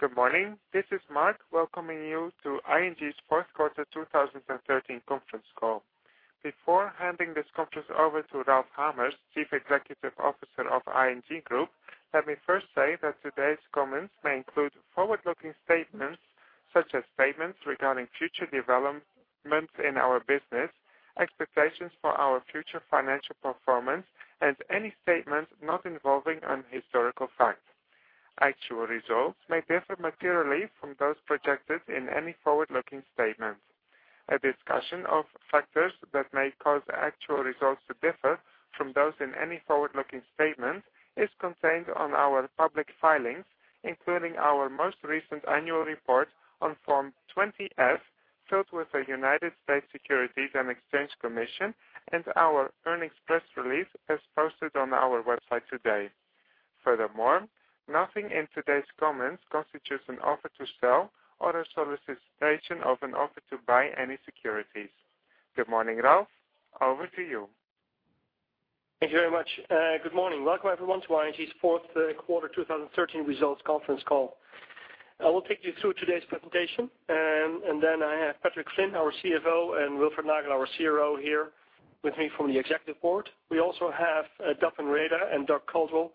Good morning. This is Mark welcoming you to ING's fourth quarter 2013 conference call. Before handing this conference over to Ralph Hamers, Chief Executive Officer of ING Group, let me first say that today's comments may include forward-looking statements such as statements regarding future developments in our business, expectations for our future financial performance, and any statements not involving an historical fact. Actual results may differ materially from those projected in any forward-looking statement. A discussion of factors that may cause actual results to differ from those in any forward-looking statement is contained on our public filings, including our most recent annual report on Form 20-F, filed with the U.S. Securities and Exchange Commission and our earnings press release as posted on our website today. Nothing in today's comments constitutes an offer to sell or a solicitation of an offer to buy any securities. Good morning, Ralph, over to you. Thank you very much. Good morning. Welcome, everyone, to ING's fourth quarter 2013 results conference call. I will take you through today's presentation. I have Patrick Flynn, our CFO, and Wilfred Nagel, our CRO here with me from the Executive Board. We also have Delfin Rueda and Doug Caldwell,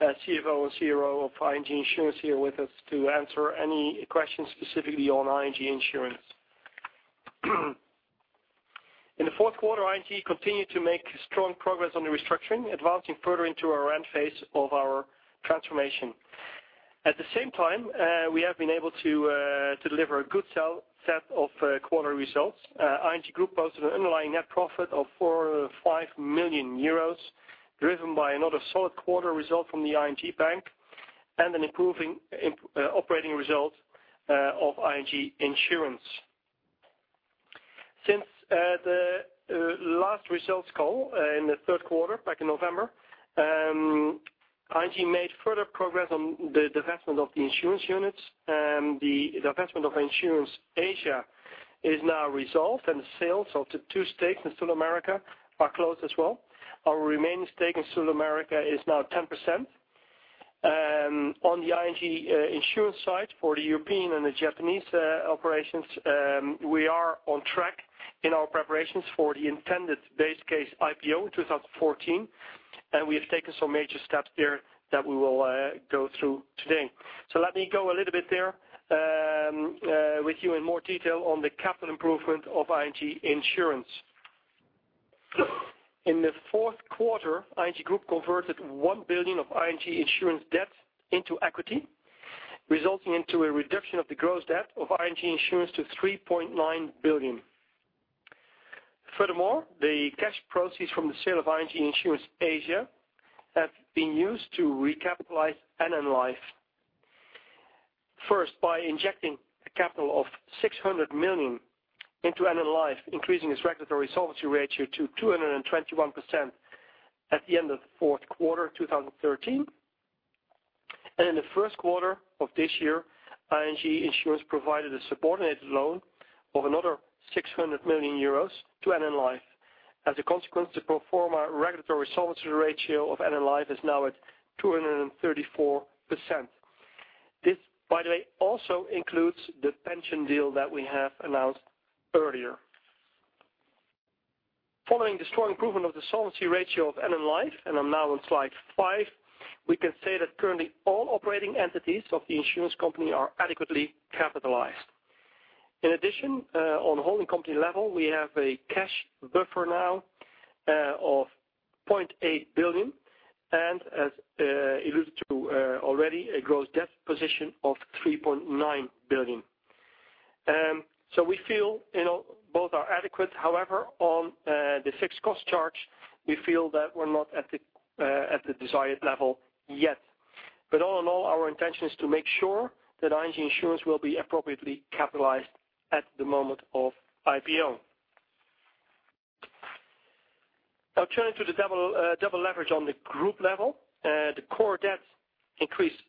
CFO and CRO of ING Insurance here with us to answer any questions specifically on ING Insurance. In the fourth quarter, ING continued to make strong progress on the restructuring, advancing further into our end phase of our transformation. At the same time, we have been able to deliver a good set of quarterly results. ING Group posted an underlying net profit of 405 million euros, driven by another solid quarter result from the ING Bank and an improving operating result of ING Insurance. Since the last results call in the third quarter back in November, ING made further progress on the divestment of the insurance units. The divestment of Insurance Asia is now resolved. The sales of the two stakes in SulAmérica are closed as well. Our remaining stake in SulAmérica is now 10%. On the ING Insurance side for the European and the Japanese operations, we are on track in our preparations for the intended base case IPO in 2014. We have taken some major steps there that we will go through today. Let me go a little bit there with you in more detail on the capital improvement of ING Insurance. In the fourth quarter, ING Group converted 1 billion of ING Insurance debt into equity, resulting into a reduction of the gross debt of ING Insurance to 3.9 billion. Furthermore, the cash proceeds from the sale of ING Insurance Asia have been used to recapitalize NN Life. First, by injecting a capital of 600 million into NN Life, increasing its regulatory solvency ratio to 221% at the end of the fourth quarter 2013. In the first quarter of this year, ING Insurance provided a subordinated loan of another 600 million euros to NN Life. As a consequence, the pro forma regulatory solvency ratio of NN Life is now at 234%. This, by the way, also includes the pension deal that we have announced earlier. Following the strong improvement of the solvency ratio of NN Life, and I'm now on slide five, we can say that currently all operating entities of the insurance company are adequately capitalized. In addition, on the holding company level, we have a cash buffer now of 0.8 billion and as alluded to already, a gross debt position of 3.9 billion. We feel both are adequate. However, on the fixed cost charge, we feel that we're not at the desired level yet. All in all, our intention is to make sure that ING Insurance will be appropriately capitalized at the moment of IPO. Turning to the double leverage on the group level. The core debt increased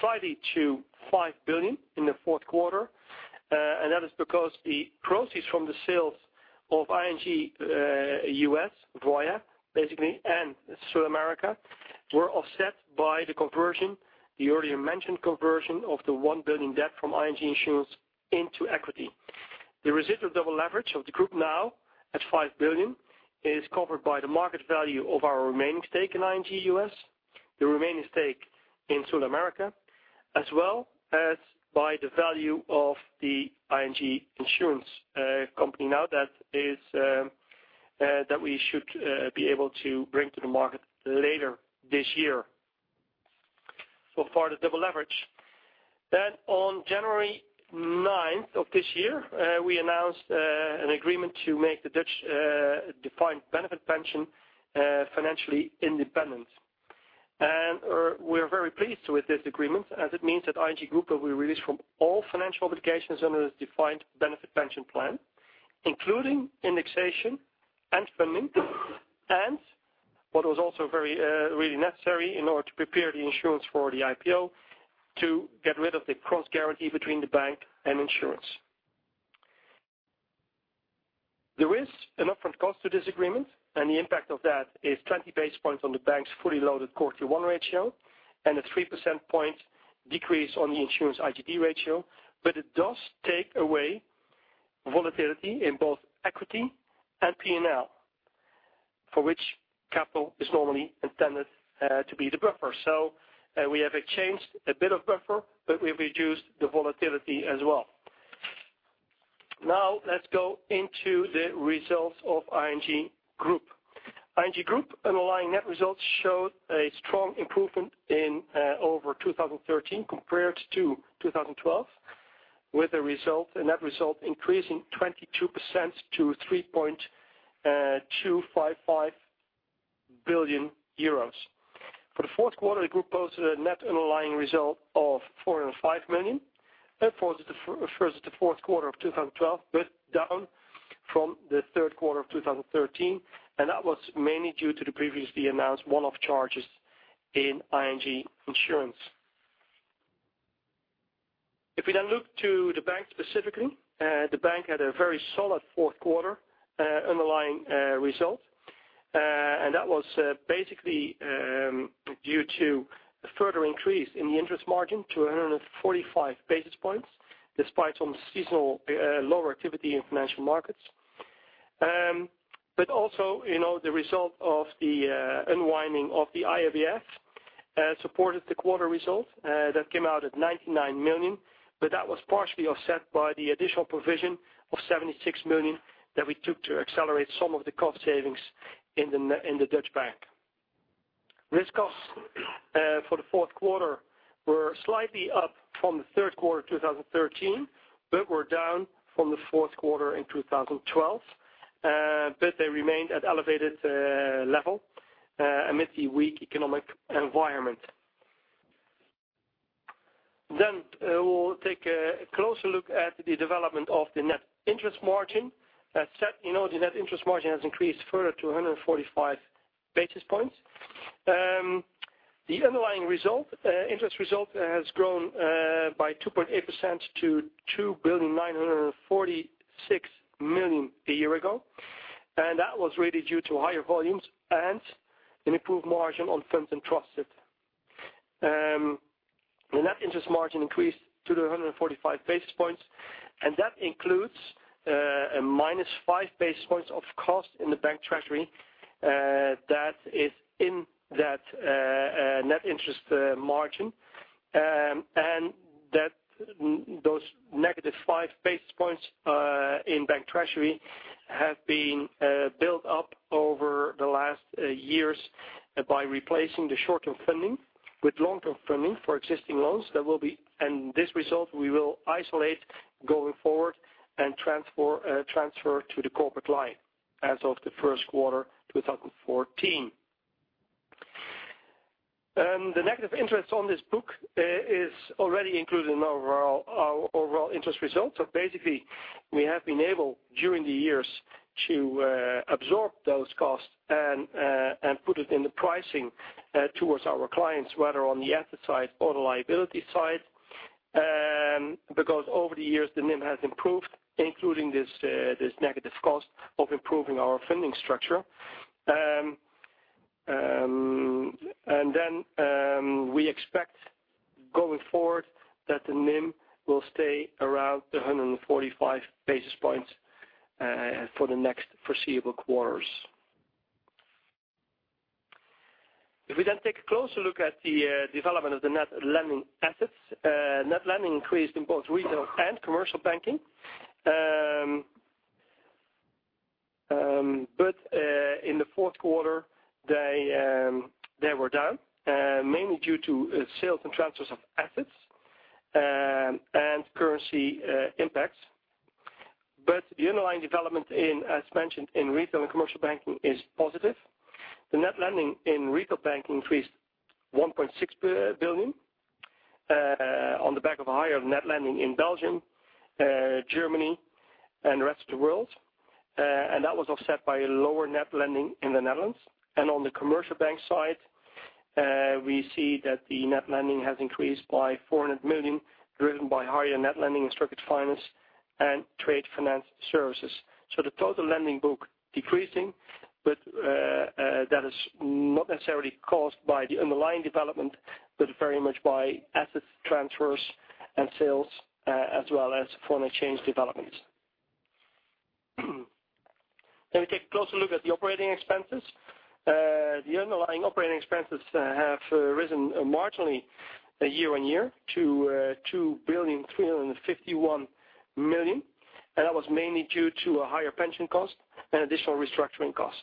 slightly to 5 billion in the fourth quarter. That is because the proceeds from the sales of ING U.S., Voya, basically, and SulAmérica were offset by the conversion, the already mentioned conversion of the 1 billion debt from ING Insurance into equity. The residual double leverage of the group now at 5 billion, is covered by the market value of our remaining stake in ING U.S., the remaining stake in SulAmérica, as well as by the value of the ING Insurance company now that we should be able to bring to the market later this year. So far the double leverage. On January 9th of this year, we announced an agreement to make the Dutch defined benefit pension financially independent. We're very pleased with this agreement as it means that ING Group will be released from all financial obligations under the defined benefit pension plan, including indexation and funding, and what was also really necessary in order to prepare the insurance for the IPO, to get rid of the cross guarantee between the bank and insurance. There is an upfront cost to this agreement, and the impact of that is 20 basis points on the bank's fully loaded Q1 ratio and a 3 percentage point decrease on the insurance ITB ratio. It does take away volatility in both equity and P&L, for which capital is normally intended to be the buffer. We have exchanged a bit of buffer, but we've reduced the volatility as well. Let's go into the results of ING Group. ING Groep underlying net results showed a strong improvement over 2013 compared to 2012, with a net result increasing 22% to 3.255 billion euros. For the fourth quarter, the group posted a net underlying result of 405 million. That refers to the fourth quarter of 2012, but down from the third quarter of 2013, that was mainly due to the previously announced one-off charges in ING Insurance. We then look to the bank specifically, the bank had a very solid fourth quarter underlying result. That was basically due to a further increase in the interest margin to 145 basis points, despite some seasonal lower activity in financial markets. Also, the result of the unwinding of the IABF supported the quarter result that came out at 99 million, that was partially offset by the additional provision of 76 million that we took to accelerate some of the cost savings in the Dutch bank. Risk costs for the fourth quarter were slightly up from the third quarter 2013, but were down from the fourth quarter in 2012. They remained at elevated level amidst the weak economic environment. We'll take a closer look at the development of the net interest margin. As said, the net interest margin has increased further to 145 basis points. The underlying interest result has grown by 2.8% to 2,946,000,000 a year ago. That was really due to higher volumes and an improved margin on funds entrusted. The net interest margin increased to 145 basis points, that includes a -5 basis points of cost in the bank treasury. That is in that net interest margin. Those negative 5 basis points in bank treasury have been built up over the last years by replacing the short-term funding with long-term funding for existing loans. This result, we will isolate going forward and transfer to the corporate line as of the first quarter 2014. The negative interest on this book is already included in our overall interest results. Basically, we have been able, during the years, to absorb those costs and put it in the pricing towards our clients, whether on the asset side or the liability side. Over the years, the NIM has improved, including this negative cost of improving our funding structure. We expect going forward that the NIM will stay around the 145 basis points for the next foreseeable quarters. We then take a closer look at the development of the net lending assets. Net lending increased in both retail and commercial banking. In the fourth quarter, they were down, mainly due to sales and transfers of assets and currency impacts. The underlying development, as mentioned in retail and commercial banking, is positive. The net lending in retail banking increased 1.6 billion on the back of a higher net lending in Belgium, Germany, and the rest of the world. That was offset by a lower net lending in the Netherlands. On the commercial bank side, we see that the net lending has increased by 400 million, driven by higher net lending in structured finance and trade finance services. The total lending book decreasing, but that is not necessarily caused by the underlying development, but very much by asset transfers and sales, as well as foreign exchange developments. We take a closer look at the operating expenses. The underlying operating expenses have risen marginally year-on-year to 2.351 billion, and that was mainly due to a higher pension cost and additional restructuring costs.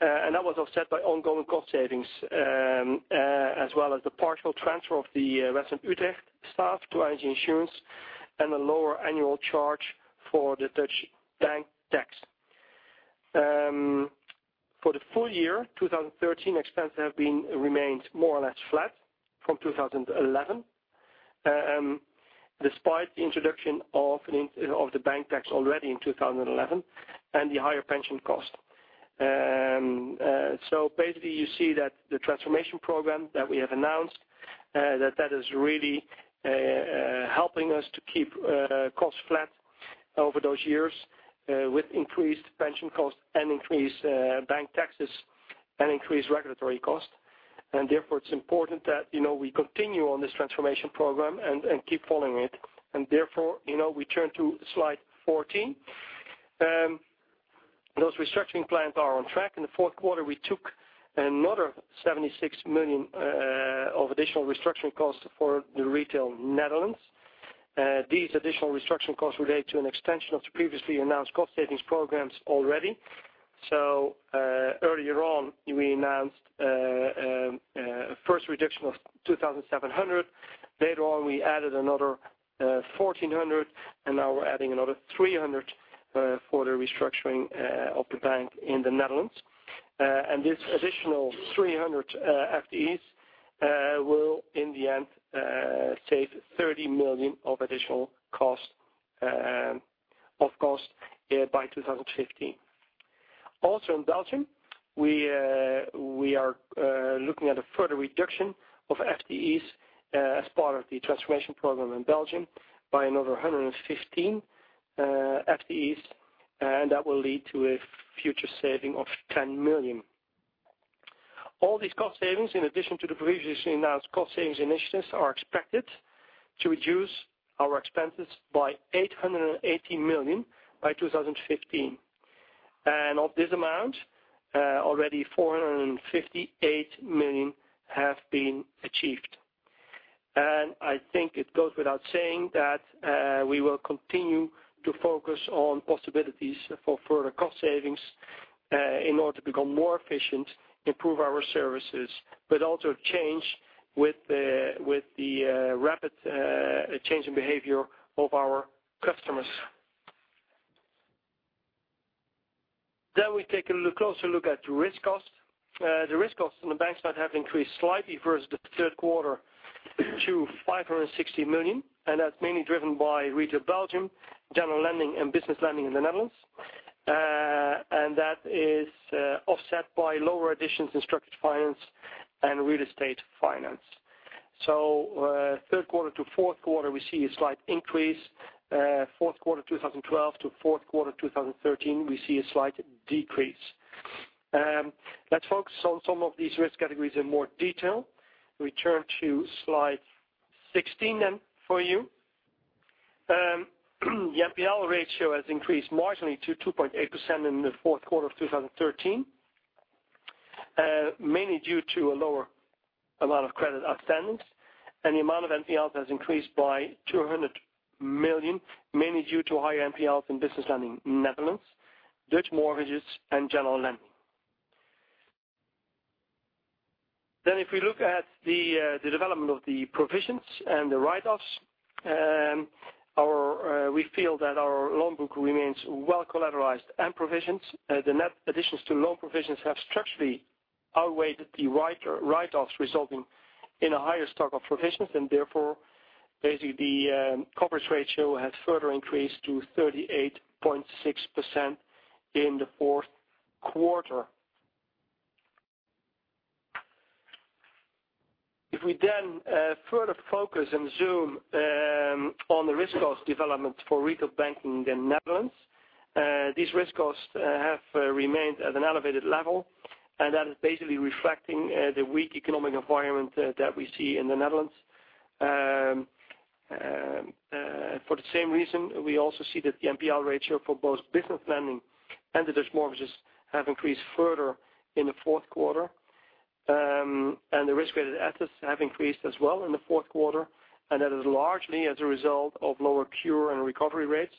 That was offset by ongoing cost savings, as well as the partial transfer of the WestlandUtrecht staff to ING Insurance and a lower annual charge for the Dutch bank tax. For the full year 2013, expenses have remained more or less flat from 2011, despite the introduction of the Dutch bank tax already in 2011 and the higher pension cost. Basically, you see that the transformation program that we have announced, that is really helping us to keep costs flat over those years with increased pension costs and increased Dutch bank taxes and increased regulatory costs. Therefore, it's important that we continue on this transformation program and keep following it. Therefore, we turn to slide 14. Those restructuring plans are on track. In the fourth quarter, we took another 76 million of additional restructuring costs for the retail Netherlands. These additional restructuring costs relate to an extension of the previously announced cost savings programs already. Earlier on, we announced a first reduction of 2,700. Later on, we added another 1,400, and now we're adding another 300 for the restructuring of the bank in the Netherlands. This additional 300 FTEs will, in the end, save 30 million of additional cost by 2015. Also in Belgium, we are looking at a further reduction of FTEs as part of the transformation program in Belgium by another 115 FTEs, and that will lead to a future saving of 10 million. All these cost savings, in addition to the previously announced cost savings initiatives, are expected to reduce our expenses by 880 million by 2015. Of this amount, already 458 million have been achieved. I think it goes without saying that we will continue to focus on possibilities for further cost savings in order to become more efficient, improve our services, but also change with the rapid change in behavior of our customers. We take a closer look at risk costs. The risk costs on the bank side have increased slightly versus the third quarter to 560 million, and that's mainly driven by Retail Belgium, general lending, and business lending in the Netherlands. That is offset by lower additions in structured finance and real estate finance. Third quarter to fourth quarter, we see a slight increase. Fourth quarter 2012 to fourth quarter 2013, we see a slight decrease. Let's focus on some of these risk categories in more detail. We turn to slide 16 then for you. The NPL ratio has increased marginally to 2.8% in the fourth quarter of 2013, mainly due to a lower amount of credit outstandings. The amount of NPLs has increased by 200 million, mainly due to higher NPLs in business lending in the Netherlands, Dutch mortgages, and general lending. If we look at the development of the provisions and the write-offs, we feel that our loan book remains well collateralized and provisions. The net additions to loan provisions have structurally outweighed the write-offs, resulting in a higher stock of provisions. Therefore, basically, the coverage ratio has further increased to 38.6% in the fourth quarter. If we further focus and zoom on the risk cost development for retail banking in the Netherlands, these risk costs have remained at an elevated level. That is basically reflecting the weak economic environment that we see in the Netherlands. For the same reason, we also see that the NPL ratio for both business lending and the Dutch mortgages have increased further in the fourth quarter. The risk-weighted assets have increased as well in the fourth quarter. That is largely as a result of lower cure and recovery rates.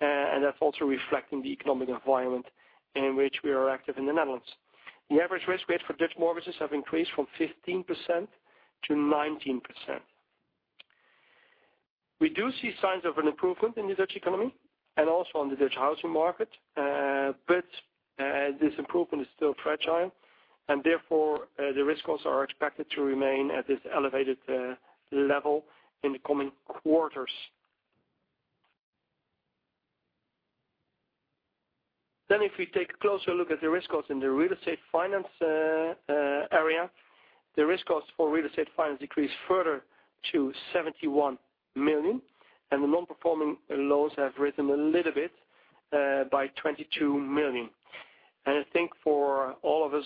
That's also reflecting the economic environment in which we are active in the Netherlands. The average risk weight for Dutch mortgages have increased from 15% to 19%. We do see signs of an improvement in the Dutch economy and also on the Dutch housing market. This improvement is still fragile. Therefore, the risk costs are expected to remain at this elevated level in the coming quarters. If we take a closer look at the risk costs in the real estate finance area, the risk costs for real estate finance decreased further to 71 million. The non-performing loans have risen a little bit by 22 million. I think for all of us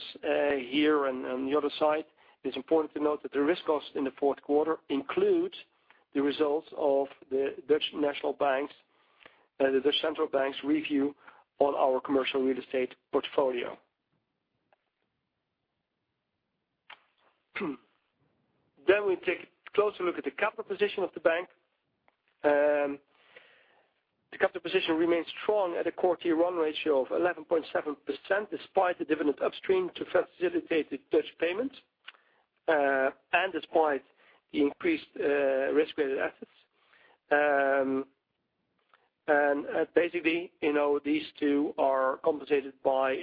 here and on the other side, it's important to note that the risk cost in the fourth quarter includes the results of the Dutch Central Bank's review on our commercial real estate portfolio. We take a closer look at the capital position of the bank. The capital position remains strong at a Core Tier 1 ratio of 11.7%, despite the dividend upstream to facilitate the Dutch payment, despite the increased risk-weighted assets. Basically, these two are compensated by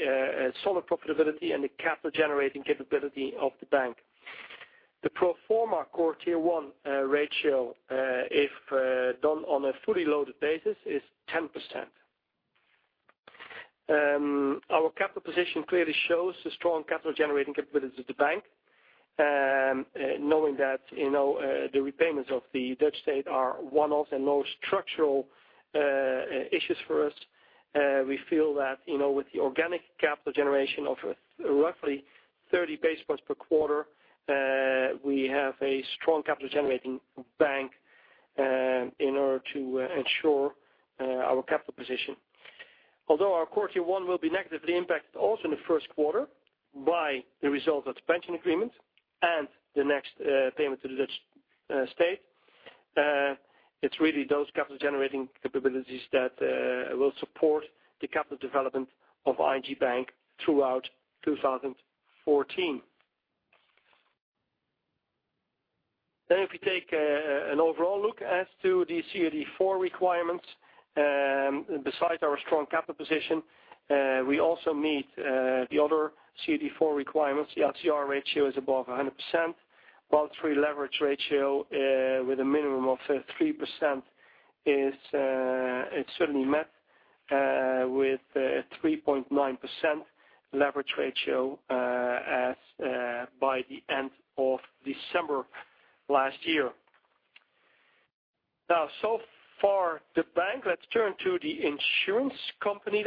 solid profitability and the capital-generating capability of the bank. The pro forma Core Tier 1 ratio, if done on a fully loaded basis, is 10%. Our capital position clearly shows the strong capital-generating capabilities of the bank. Knowing that the repayments of the Dutch state are one-off and no structural issues for us, we feel that with the organic capital generation of roughly 30 basis points per quarter, we have a strong capital-generating bank in order to ensure our capital position. Although our Core Tier 1 will be negatively impacted also in the first quarter by the result of the pension agreement and the next payment to the Dutch state, it's really those capital-generating capabilities that will support the capital development of ING Bank throughout 2014. If we take an overall look as to the CET1 requirements, besides our strong capital position, we also meet the other CET1 requirements. The LCR ratio is above 100%, while the three leverage ratio with a minimum of 3% is certainly met with 3.9% leverage ratio as by the end of December last year. So far the bank. Let's turn to the insurance company.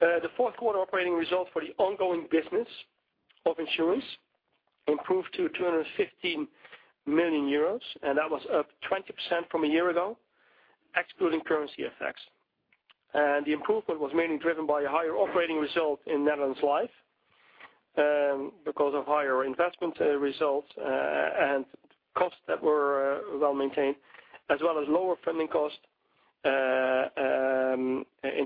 The fourth quarter operating result for the ongoing business of insurance improved to 215 million euros. That was up 20% from a year ago, excluding currency effects. The improvement was mainly driven by a higher operating result in Netherlands Life because of higher investment results and costs that were well-maintained, as well as lower funding costs in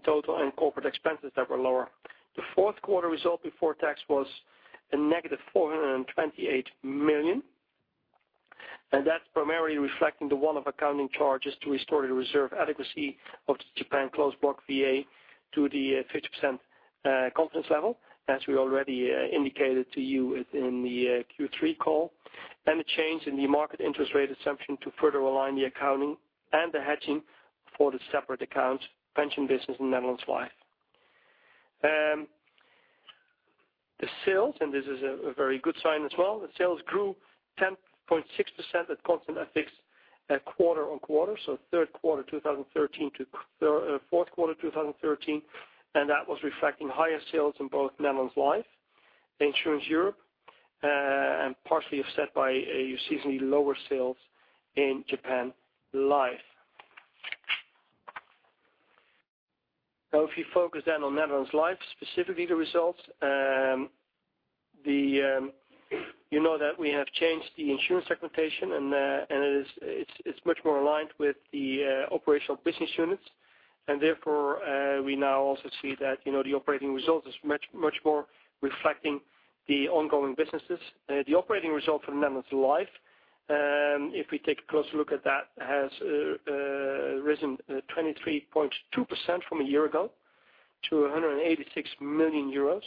total and corporate expenses that were lower. The fourth quarter result before tax was a negative 428 million, and that's primarily reflecting the one-off accounting charges to restore the reserve adequacy of the Japan closed block VA to the 50% confidence level, as we already indicated to you in the Q3 call, and a change in the market interest rate assumption to further align the accounting and the hedging for the separate accounts pension business in Netherlands Life. The sales, this is a very good sign as well, the sales grew 10.6% at constant FX quarter-on-quarter. Third quarter 2013 to fourth quarter 2013, that was reflecting higher sales in both Netherlands Life, Insurance Europe, and partially offset by a seasonally lower sales in Japan Life. If you focus then on Netherlands Life, specifically the results, you know that we have changed the insurance segmentation, and it's much more aligned with the operational business units, and therefore, we now also see that the operating result is much more reflecting the ongoing businesses. The operating result for Netherlands Life, if we take a closer look at that, has risen 23.2% from a year ago to 186 million euros.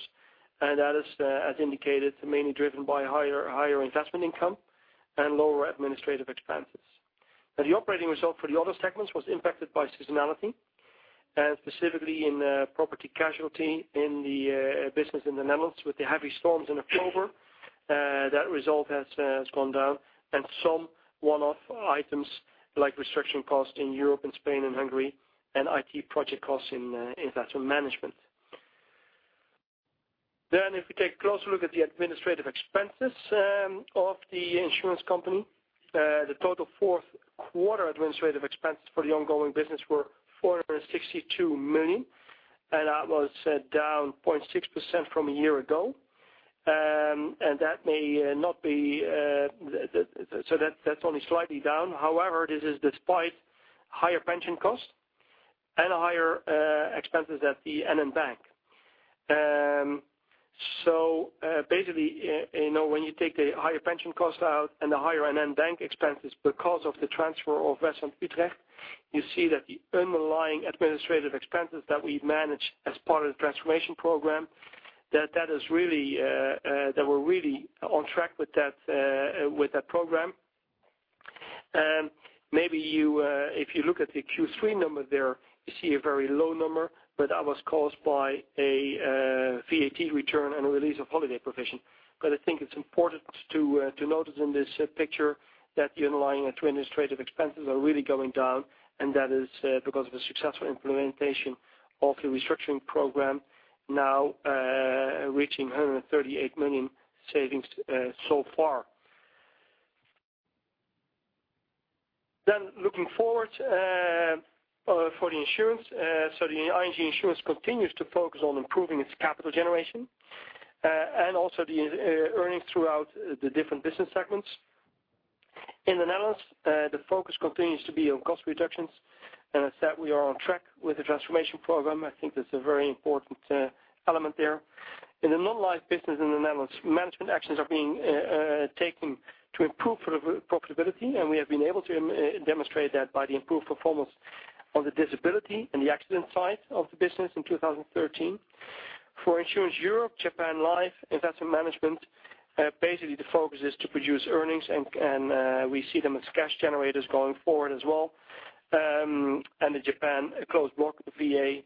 That is, as indicated, mainly driven by higher investment income and lower administrative expenses. The operating result for the other segments was impacted by seasonality, specifically in property casualty in the business in the Netherlands with the heavy storms in October. That result has gone down and some one-off items like restructuring costs in Europe and Spain and Hungary, and IT project costs in asset management. If we take a closer look at the administrative expenses of the insurance company, the total fourth quarter administrative expenses for the ongoing business were 462 million, and that was down 0.6% from a year ago. That's only slightly down. However, this is despite higher pension costs and higher expenses at the NN Bank. Basically, when you take the higher pension costs out and the higher NN Bank expenses because of the transfer of WestlandUtrecht, you see that the underlying administrative expenses that we've managed as part of the transformation program, that we're really on track with that program. Maybe if you look at the Q3 number there, you see a very low number, but that was caused by a VAT return and a release of holiday provision. I think it's important to notice in this picture that the underlying administrative expenses are really going down, and that is because of the successful implementation of the restructuring program now reaching 138 million savings so far. Looking forward for the insurance. The ING Insurance continues to focus on improving its capital generation, and also the earnings throughout the different business segments. In the Netherlands, the focus continues to be on cost reductions, and as said, we are on track with the transformation program. I think that's a very important element there. In the non-life business in the Netherlands, management actions are being taken to improve profitability, and we have been able to demonstrate that by the improved performance on the disability and the accident side of the business in 2013. For Insurance Europe, Japan Life Investment Management, basically the focus is to produce earnings, and we see them as cash generators going forward as well. The Japan closed block VA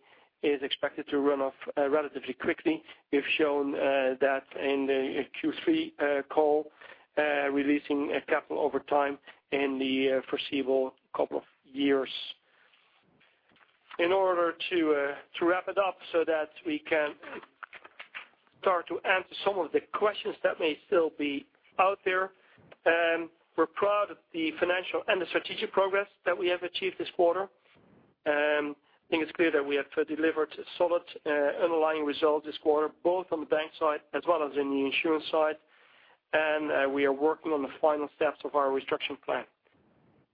is expected to run off relatively quickly. We've shown that in the Q3 call, releasing capital over time in the foreseeable couple of years. In order to wrap it up so that we can start to answer some of the questions that may still be out there. We're proud of the financial and the strategic progress that we have achieved this quarter. I think it's clear that we have delivered solid underlying results this quarter, both on the bank side as well as in the insurance side. We are working on the final steps of our restructure plan.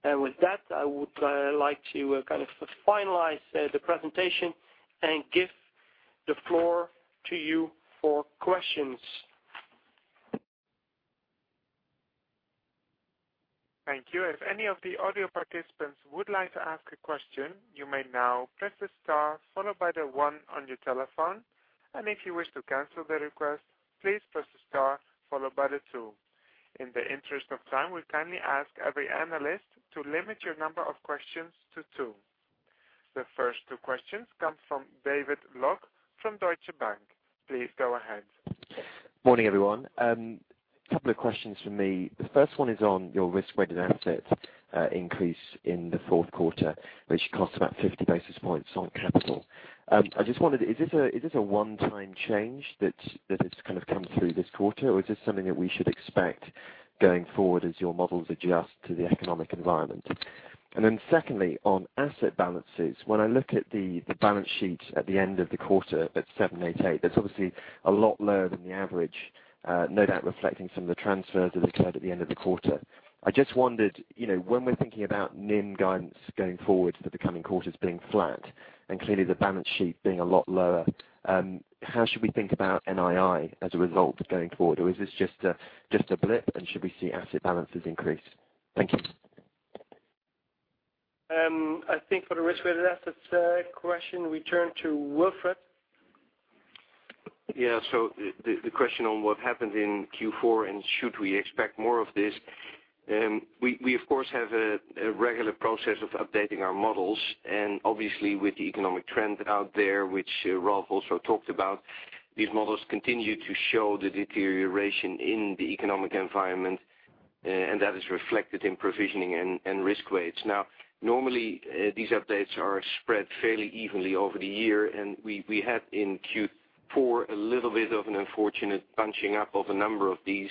With that, I would like to finalize the presentation and give the floor to you for questions. Thank you. If any of the audio participants would like to ask a question, you may now press star 1 on your telephone. If you wish to cancel the request, please press star 2. In the interest of time, we kindly ask every analyst to limit your number of questions to two. The first two questions come from David Lock from Deutsche Bank. Please go ahead. Morning, everyone. Couple of questions from me. The first one is on your risk-weighted assets increase in the fourth quarter, which cost about 50 basis points on capital. I just wondered, is this a one-time change that has come through this quarter, or is this something that we should expect going forward as your models adjust to the economic environment? Secondly, on asset balances, when I look at the balance sheet at the end of the quarter at 788, that's obviously a lot lower than the average, no doubt reflecting some of the transfers that occurred at the end of the quarter. I just wondered, when we're thinking about NIM guidance going forward for the coming quarters being flat and clearly the balance sheet being a lot lower, how should we think about NII as a result going forward? Is this just a blip, and should we see asset balances increase? Thank you. I think for the risk-weighted assets question, we turn to Wilfred. The question on what happened in Q4 and should we expect more of this, we, of course, have a regular process of updating our models. Obviously with the economic trend out there, which Ralph also talked about, these models continue to show the deterioration in the economic environment, and that is reflected in provisioning and risk weights. Normally, these updates are spread fairly evenly over the year, and we had in Q4 a little bit of an unfortunate bunching up of a number of these,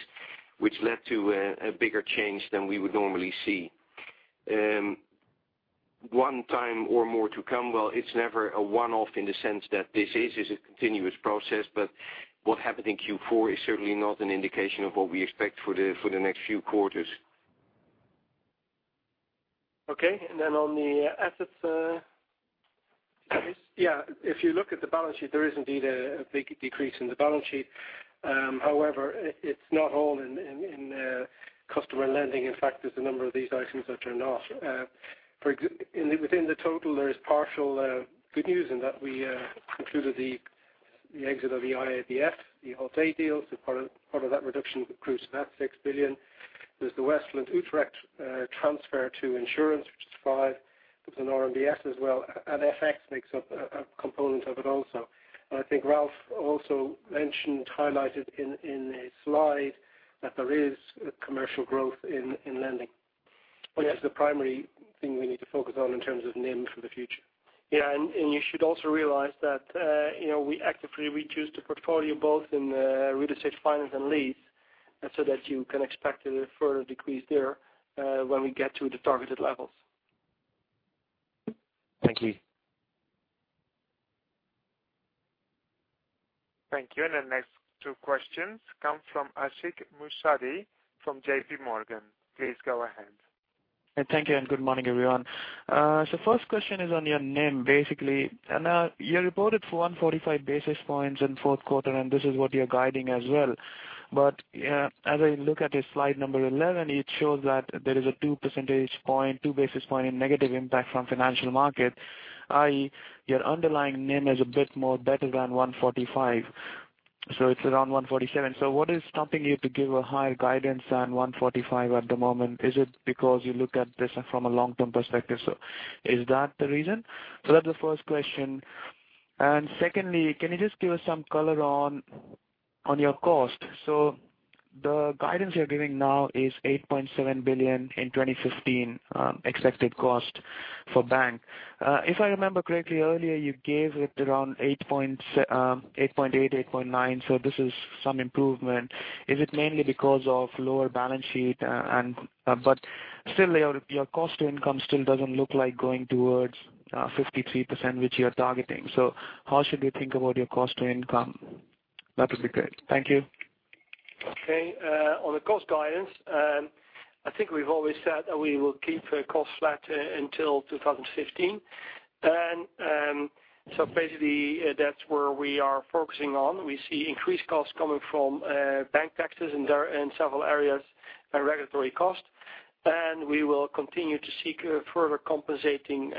which led to a bigger change than we would normally see. One time or more to come, well, it's never a one-off in the sense that this is a continuous process, but what happened in Q4 is certainly not an indication of what we expect for the next few quarters. On the assets, yes. If you look at the balance sheet, there is indeed a big decrease in the balance sheet. However, it's not all in customer lending. In fact, there's a number of these items that are not. Within the total, there is partial good news in that we concluded the exit of the IABF, the Fubon deal. Part of that reduction accrues to that, 6 billion. There's the WestlandUtrecht Bank transfer to insurance, which is 5 billion. There's an RMBS as well, and FX makes up a component of it also. I think Ralph also mentioned, highlighted in a slide, that there is commercial growth in lending. Yes. Which is the primary thing we need to focus on in terms of NIM for the future. You should also realize that we actively reduced the portfolio both in real estate finance and lease, so that you can expect a further decrease there when we get to the targeted levels. Thank you. Thank you. The next two questions come from Ashik Musaddi from JP Morgan. Please go ahead. Thank you, good morning, everyone. First question is on your NIM, basically. You reported 145 basis points in fourth quarter, this is what you're guiding as well. As I look at the slide number 11, it shows that there is a two basis point in negative impact from financial market, i.e., your underlying NIM is a bit more better than 145. It's around 147. What is stopping you to give a higher guidance than 145 at the moment? Is it because you look at this from a long-term perspective? Is that the reason? That's the first question. Secondly, can you just give us some color on your cost? The guidance you're giving now is 8.7 billion in 2015 expected cost for bank. If I remember correctly, earlier you gave it around 8.8.9, this is some improvement. Is it mainly because of lower balance sheet? Still, your cost to income still doesn't look like going towards 53%, which you're targeting. How should we think about your cost to income? That would be great. Thank you. Okay. On the cost guidance, I think we've always said that we will keep costs flat until 2015. Basically, that's where we are focusing on. We see increased costs coming from bank taxes in several areas and regulatory costs. We will continue to seek further compensating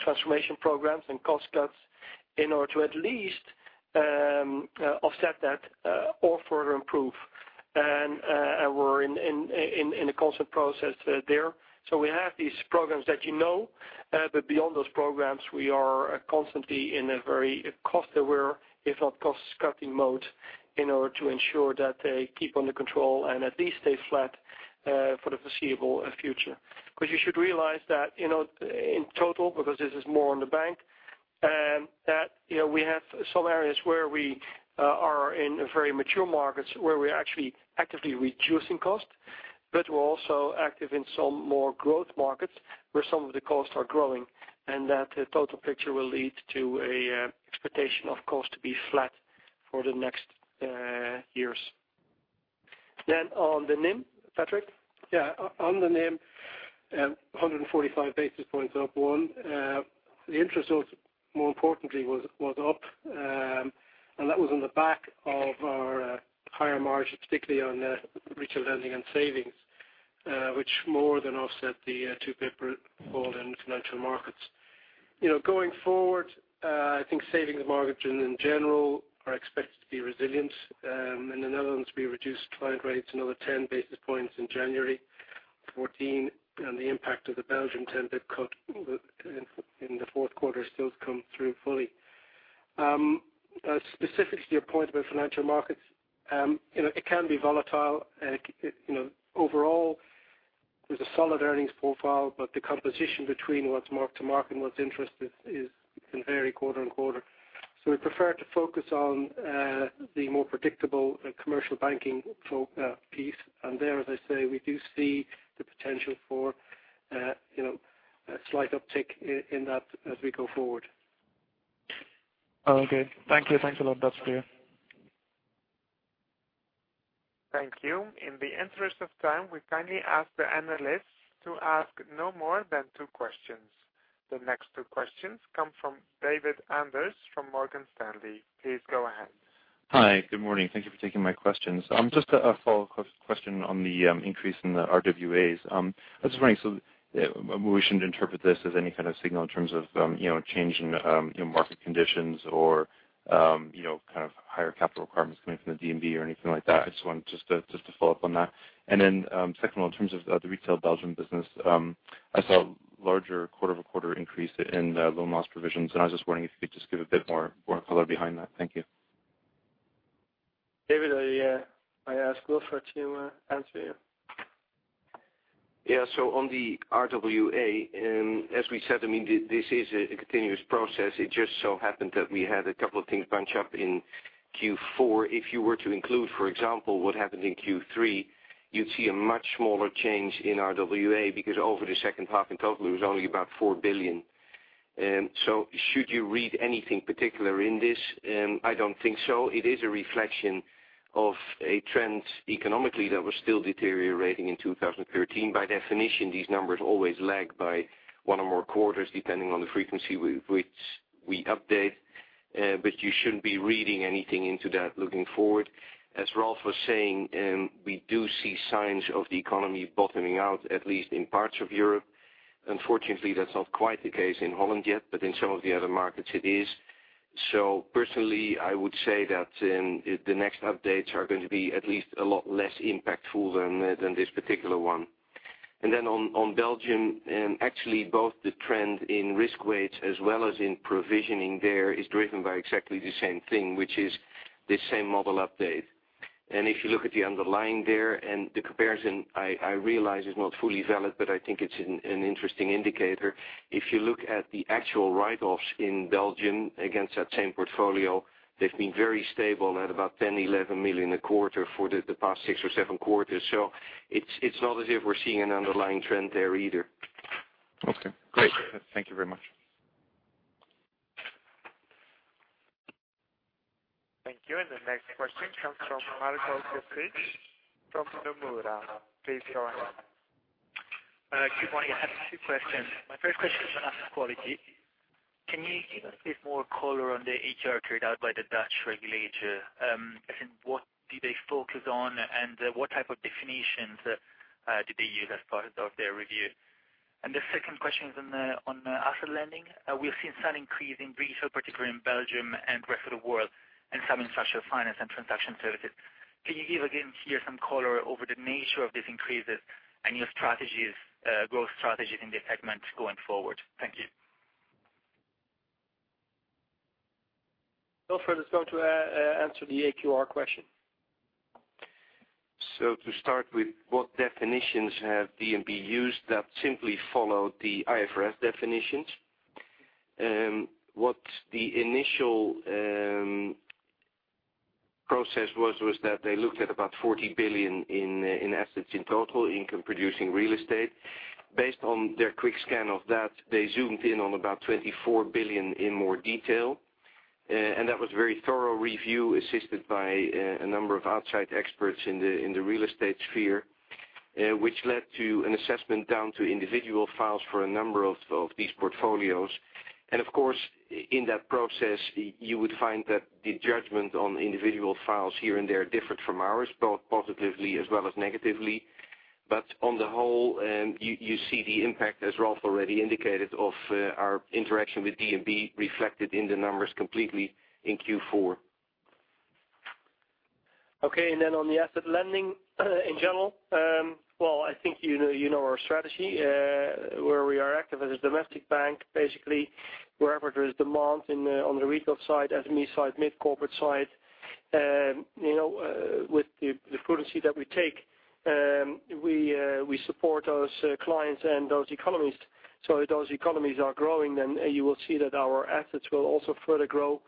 transformation programs and cost cuts in order to at least offset that or further improve. We're in a constant process there. We have these programs that you know, beyond those programs, we are constantly in a very cost-aware, if not cost-cutting mode, in order to ensure that they keep under control and at least stay flat for the foreseeable future. You should realize that in total, because this is more on the bank, that we have some areas where we are in very mature markets, where we're actually actively reducing costs, but we're also active in some more growth markets, where some of the costs are growing, that the total picture will lead to an expectation of cost to be flat for the next years. On the NIM, Patrick? Yeah. On the NIM, 145 basis points up. The interest, more importantly, was up, that was on the back of our higher margin, particularly on retail lending and savings, which more than offset the 2-pip fall in financial markets. Going forward, I think savings margins in general are expected to be resilient. In the Netherlands, we reduced client rates another 10 basis points in January 2014, the impact of the Belgian 10-pip cut in the Q4 still to come through fully. Specifically, your point about financial markets. It can be volatile. Overall, there's a solid earnings profile, but the composition between what's mark-to-market and what's interest can vary quarter and quarter. We prefer to focus on the more predictable commercial banking piece. There, as I say, we do see the potential for a slight uptick in that as we go forward. Okay. Thank you. Thanks a lot. That's clear. Thank you. In the interest of time, we kindly ask the analysts to ask no more than two questions. The next two questions come from David Anchor from Morgan Stanley. Please go ahead. Hi. Good morning. Thank you for taking my questions. Just a follow-up question on the increase in the RWAs. I was wondering, we shouldn't interpret this as any kind of signal in terms of change in market conditions or higher capital requirements coming from the DNB or anything like that. I just wanted to follow up on that. Second one, in terms of the retail Belgian business, I saw a larger quarter-over-quarter increase in loan loss provisions, and I was just wondering if you could just give a bit more color behind that. Thank you. David, I ask Wilfred to answer you. Yeah. On the RWA, as we said, this is a continuous process. It just so happened that we had a couple of things bunch up in Q4. If you were to include, for example, what happened in Q3, you'd see a much smaller change in RWA, because over the second half in total, it was only about 4 billion. Should you read anything particular in this? I don't think so. It is a reflection of a trend economically that was still deteriorating in 2013. By definition, these numbers always lag by one or more quarters, depending on the frequency with which we update. You shouldn't be reading anything into that looking forward. As Ralph was saying, we do see signs of the economy bottoming out, at least in parts of Europe. Unfortunately, that's not quite the case in Holland yet, but in some of the other markets it is. Personally, I would say that the next updates are going to be at least a lot less impactful than this particular one. On Belgium, actually both the trend in risk weights as well as in provisioning there is driven by exactly the same thing, which is the same model update. If you look at the underlying there, and the comparison, I realize is not fully valid, but I think it's an interesting indicator. If you look at the actual write-offs in Belgium against that same portfolio, they've been very stable at about 10 million, 11 million a quarter for the past six or seven quarters. It's not as if we're seeing an underlying trend there either. Okay, great. Thank you very much. Thank you. The next question comes from Marco Stevic from Nomura. Please go ahead. Good morning. I have two questions. My first question is on asset quality. Can you give a bit more color on the AQR carried out by the Dutch regulator? As in what do they focus on, and what type of definitions did they use as part of their review? The second question is on asset lending. We've seen some increase in retail, particularly in Belgium and rest of the world, and some in structured finance and transaction services. Can you give again here some color over the nature of these increases and your growth strategies in these segments going forward? Thank you. Wilfred is going to answer the AQR question. To start with, what definitions have DNB used that simply follow the IFRS definitions. What the initial process was that they looked at about 40 billion in assets in total income producing real estate. Based on their quick scan of that, they zoomed in on about 24 billion in more detail, that was a very thorough review, assisted by a number of outside experts in the real estate sphere, which led to an assessment down to individual files for a number of these portfolios. Of course, in that process, you would find that the judgment on individual files here and there differed from ours, both positively as well as negatively. On the whole, you see the impact, as Ralph already indicated, of our interaction with DNB reflected in the numbers completely in Q4. On the asset lending in general. I think you know our strategy, where we are active as a domestic bank, basically wherever there is demand on the retail side, SME side, mid-corporate side. With the prudence that we take, we support those clients and those economies. Those economies are growing, then you will see that our assets will also further grow,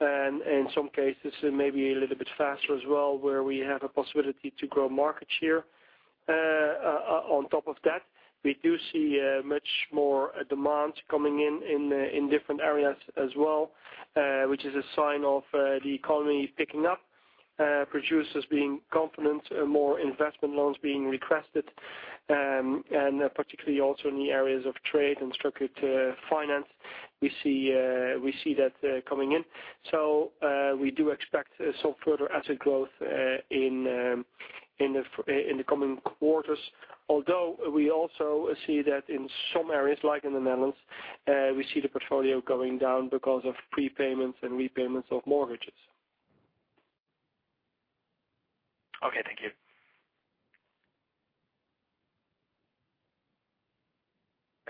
and in some cases maybe a little bit faster as well, where we have a possibility to grow market share. On top of that, we do see much more demand coming in different areas as well, which is a sign of the economy picking up, producers being confident, more investment loans being requested, and particularly also in the areas of trade and structured finance, we see that coming in. We do expect some further asset growth in the coming quarters. Although we also see that in some areas, like in the Netherlands, we see the portfolio going down because of prepayments and repayments of mortgages. Okay, thank you.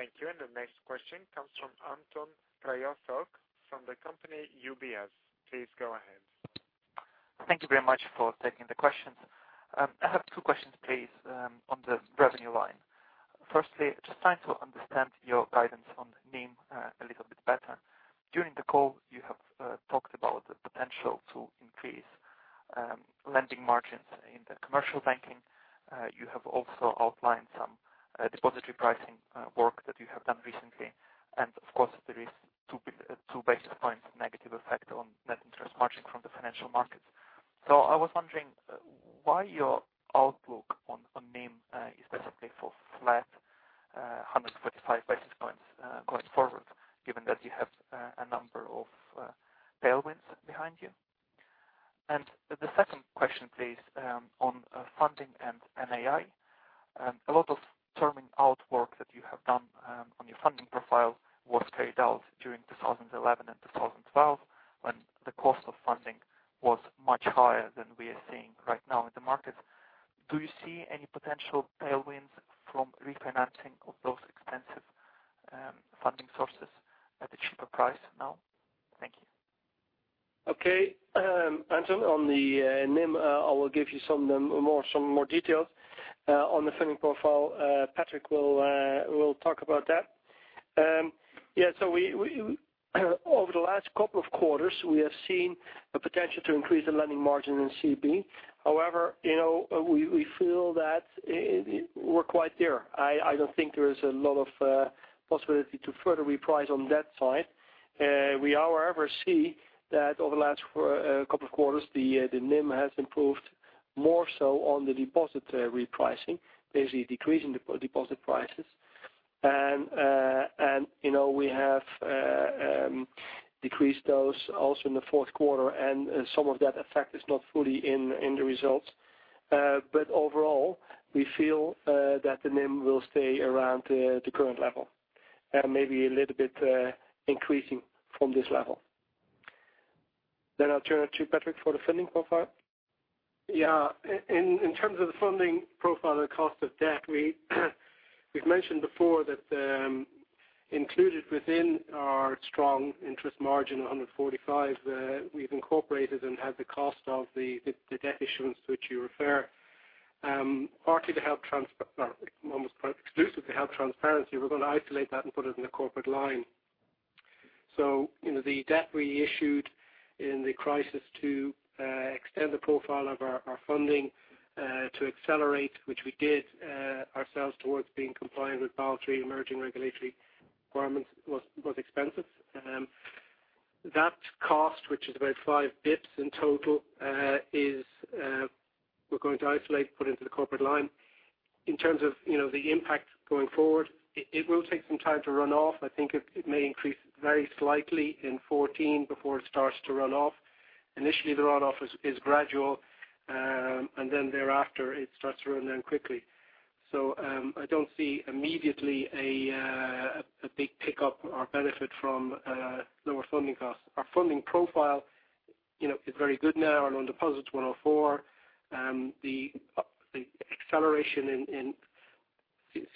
Thank you. The next question comes from Anton Pil from the company UBS. Please go ahead. Thank you very much for taking the questions. I have two questions, please, on the revenue line. Firstly, just trying to understand your guidance on NIM a little bit better. During the call, you have talked about the potential to increase lending margins in the commercial banking. You have also outlined some depository pricing work that you have done recently, and of course there is two basis points negative effect on net interest margin from the financial markets. I was wondering why your outlook on NIM is basically for flat 145 basis points going forward, given that you have a number of tailwinds behind you. The second question please, on funding and NII. A lot of terming out work that you have done on your funding profile was carried out during 2011 and 2012, when the cost of funding was much higher than we are seeing right now in the market. Do you see any potential tailwinds from refinancing of those expensive funding sources at the cheaper price now? Thank you. Okay. Anton, on the NIM, I will give you some more details. On the funding profile, Patrick will talk about that. Over the last couple of quarters, we have seen a potential to increase the lending margin in CB. However, we feel that we're quite there. I don't think there is a lot of possibility to further reprice on that side. We, however, see that over the last couple of quarters, the NIM has improved more so on the deposit repricing, basically decreasing deposit prices. We have decreased those also in the fourth quarter, and some of that effect is not fully in the results. Overall, we feel that the NIM will stay around the current level, and maybe a little bit increasing from this level. I'll turn it to Patrick for the funding profile. Yeah. In terms of the funding profile and cost of debt, we've mentioned before that included within our strong interest margin of 145, we've incorporated and had the cost of the debt issuance to which you refer. Almost exclusively to have transparency, we're going to isolate that and put it in the corporate line. The debt we issued in the crisis to extend the profile of our funding to accelerate, which we did ourselves towards being compliant with Basel III emerging regulatory requirements, was expensive. That cost, which is about 5 basis points in total, we're going to isolate, put into the corporate line. In terms of the impact going forward, it will take some time to run off. I think it may increase very slightly in 2014 before it starts to run off. Initially, the run-off is gradual, thereafter it starts to run down quickly. I don't see immediately a big pickup or benefit from lower funding costs. Our funding profile is very good now. Our loan deposit's 104. The acceleration in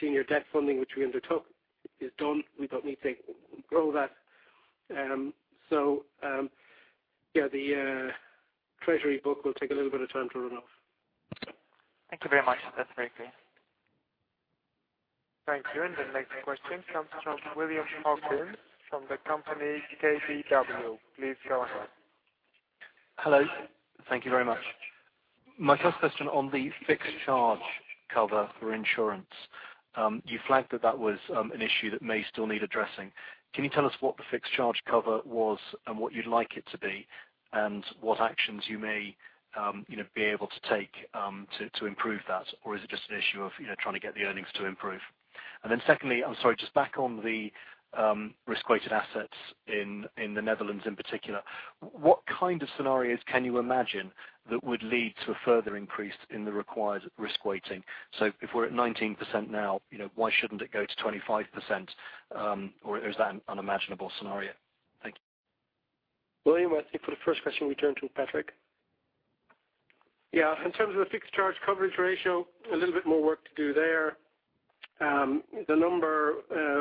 senior debt funding, which we undertook, is done. We don't need to grow that. The treasury book will take a little bit of time to run off. Thank you very much. That's very clear. Thank you. The next question comes from William Hawkins from the company KBW. Please go ahead. Hello. Thank you very much. My first question on the fixed charge cover for insurance. You flagged that that was an issue that may still need addressing. Can you tell us what the fixed charge cover was and what you'd like it to be, and what actions you may be able to take to improve that? Or is it just an issue of trying to get the earnings to improve? Secondly, I'm sorry, just back on the risk-weighted assets in the Netherlands in particular. What kind of scenarios can you imagine that would lead to a further increase in the required risk weighting? If we're at 19% now, why shouldn't it go to 25%? Or is that an unimaginable scenario? Thank you. William, I think for the first question, we turn to Patrick. In terms of the fixed charge coverage ratio, a little bit more work to do there. The number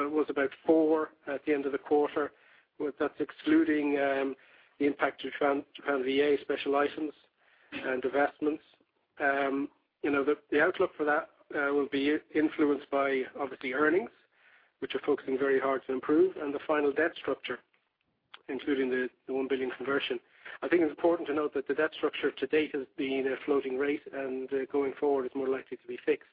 was about four at the end of the quarter. That's excluding the impact of Van Ameyde special license and divestments. The outlook for that will be influenced by, obviously, earnings, which we're focusing very hard to improve, and the final debt structure, including the 1 billion conversion. I think it's important to note that the debt structure to date has been a floating rate, and going forward is more likely to be fixed.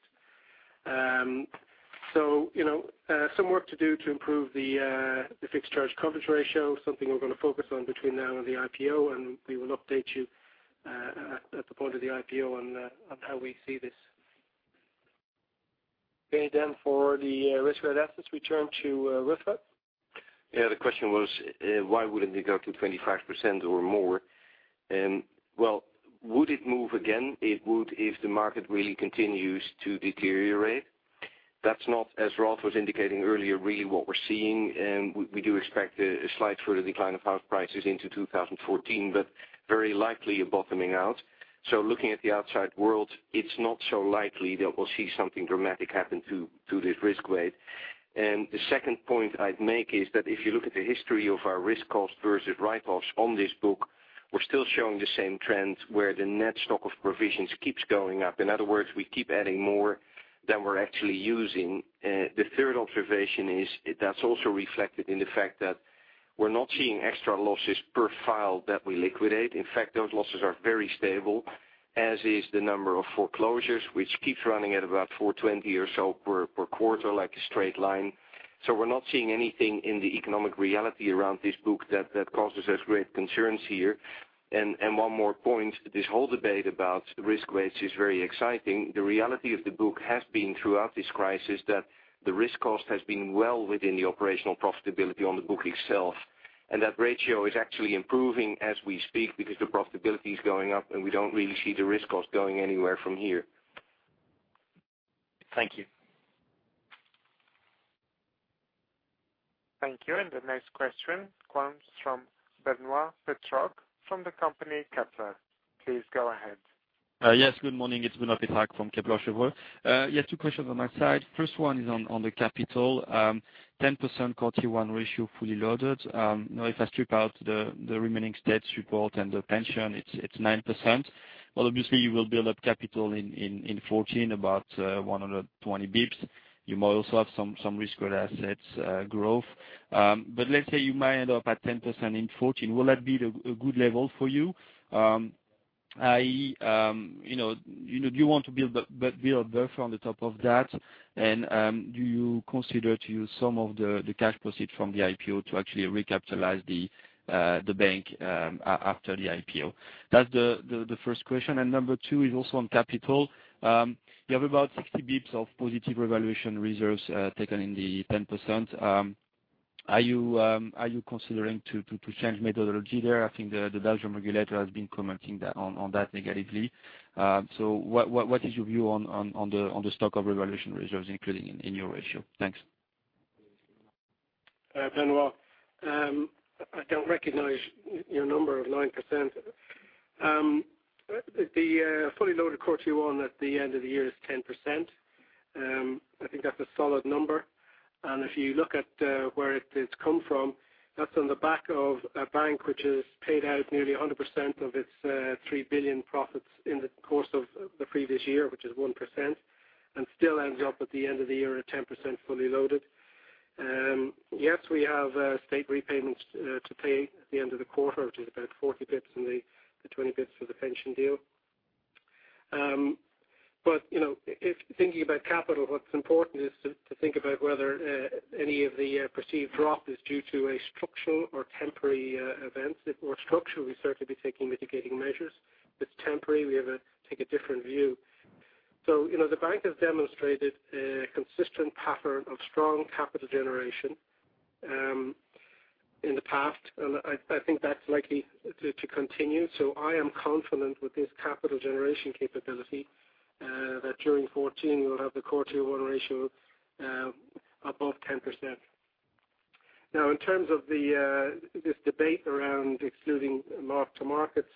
Some work to do to improve the fixed charge coverage ratio. Something we're going to focus on between now and the IPO, and we will update you at the point of the IPO on how we see this. For the risk-weighted assets, we turn to Wilfred. The question was, why wouldn't it go to 25% or more? Would it move again? It would if the market really continues to deteriorate. That's not, as Ralph was indicating earlier, really what we're seeing, and we do expect a slight further decline of house prices into 2014, but very likely a bottoming out. Looking at the outside world, it's not so likely that we'll see something dramatic happen to this risk weight. The second point I'd make is that if you look at the history of our risk cost versus write-offs on this book, we're still showing the same trend where the net stock of provisions keeps going up. In other words, we keep adding more than we're actually using. The third observation is that's also reflected in the fact that we're not seeing extra losses per file that we liquidate. In fact, those losses are very stable, as is the number of foreclosures, which keeps running at about 420 or so per quarter, like a straight line. We're not seeing anything in the economic reality around this book that causes us great concerns here. One more point, this whole debate about risk weights is very exciting. The reality of the book has been throughout this crisis that the risk cost has been well within the operational profitability on the book itself, and that ratio is actually improving as we speak because the profitability is going up, and we don't really see the risk cost going anywhere from here. Thank you. Thank you. The next question comes from Benoit Pétrarque from the company Kepler. Please go ahead. Yes, good morning. It is Benoit Pétrarque from Kepler Cheuvreux. Yeah, two questions on my side. First one is on the capital, 10% Core Tier 1 ratio fully loaded. Now, if I strip out the remaining state support and the pension, it is 9%. Well, obviously, you will build up capital in 2014, about 120 basis points. You may also have some risk with assets growth. But let's say you might end up at 10% in 2014. Will that be a good level for you? Do you want to build a buffer on the top of that? Do you consider to use some of the cash proceeds from the IPO to actually recapitalize the bank after the IPO? That is the first question, number two is also on capital. You have about 60 basis points of positive revaluation reserves taken in the 10%. Are you considering to change methodology there? I think the Belgian regulator has been commenting on that negatively. What is your view on the stock of revaluation reserves, including in your ratio? Thanks. Benoit. I don't recognize your number of 9%. The fully loaded Core Tier 1 at the end of the year is 10%. I think that's a solid number. If you look at where it's come from, that's on the back of a bank which has paid out nearly 100% of its 3 billion profits in the course of the previous year, which is 1%, and still ends up at the end of the year at 10% fully loaded. We have state repayments to pay at the end of the quarter, which is about 40 basis points and the 20 basis points for the pension deal. Thinking about capital, what's important is to think about whether any of the perceived drop is due to a structural or temporary event. If it were structural, we'd certainly be taking mitigating measures. If it's temporary, we take a different view. The bank has demonstrated a consistent pattern of strong capital generation in the past, and I think that's likely to continue. I am confident with this capital generation capability that during 2014 we'll have the Core Tier 1 ratio above 10%. In terms of this debate around excluding mark to markets.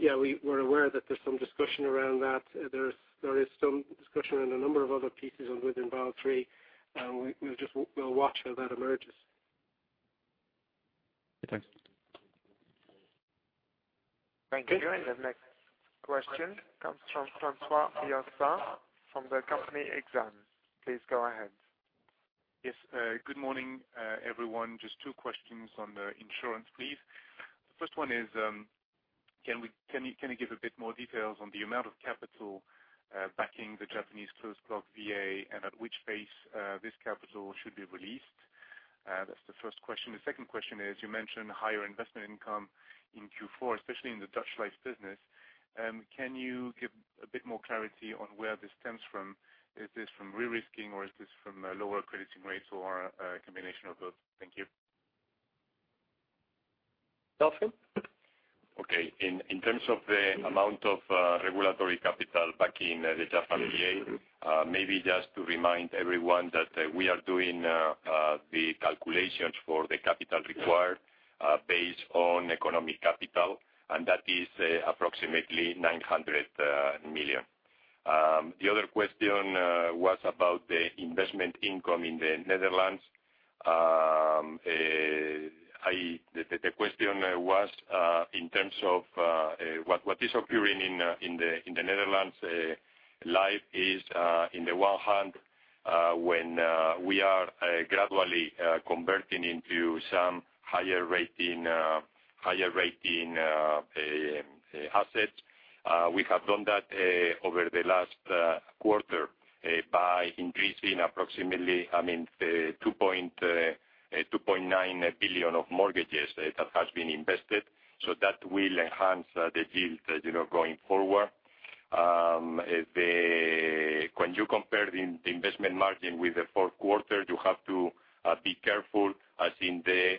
We're aware that there's some discussion around that. There is some discussion around a number of other pieces within Basel III, and we'll watch how that emerges. Thanks. Thank you. The next question comes from Francois-Xavier Bouvignies from the company Exane. Please go ahead. Good morning, everyone. Just two questions on the insurance, please. The first one is, can you give a bit more details on the amount of capital backing the Japanese closed block VA, and at which phase this capital should be released? That's the first question. The second question is, you mentioned higher investment income in Q4, especially in the Dutch Life business. Can you give a bit more clarity on where this stems from? Is this from re-risking, or is this from lower crediting rates or a combination of both? Thank you. Delfin? Okay. In terms of the amount of regulatory capital backing the Japan VA, maybe just to remind everyone that we are doing the calculations for the capital required based on economic capital. That is approximately 900 million. The other question was about the investment income in the Netherlands. The question was in terms of what is occurring in the Netherlands Life is, on the one hand, when we are gradually converting into some higher rating assets. We have done that over the last quarter by increasing approximately 2.9 billion of mortgages that has been invested. That will enhance the yield going forward. When you compare the investment margin with the fourth quarter, you have to be careful, as in the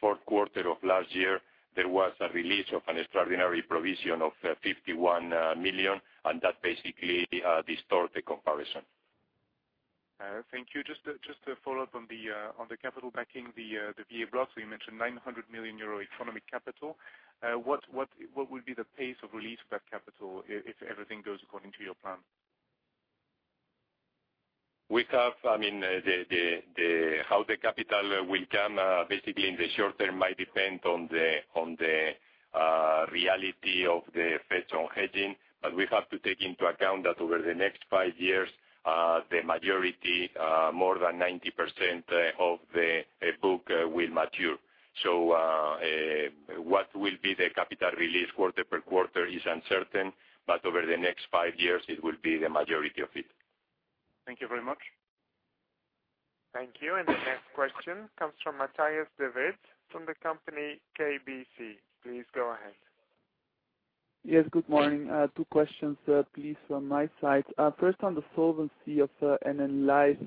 fourth quarter of last year, there was a release of an extraordinary provision of 51 million, and that basically distort the comparison. Thank you. Just to follow up on the capital backing the VA block. You mentioned 900 million euro economic capital. What would be the pace of release of that capital if everything goes according to your plan? How the capital will come, basically in the short term, might depend on the reality of the effects on hedging. We have to take into account that over the next five years, the majority, more than 90% of the book will mature. What will be the capital release quarter per quarter is uncertain, but over the next five years, it will be the majority of it. Thank you very much. Thank you. The next question comes from Matthias De Wit from the company KBC. Please go ahead. Yes, good morning. Two questions, please, from my side. First, on the solvency of NN Life,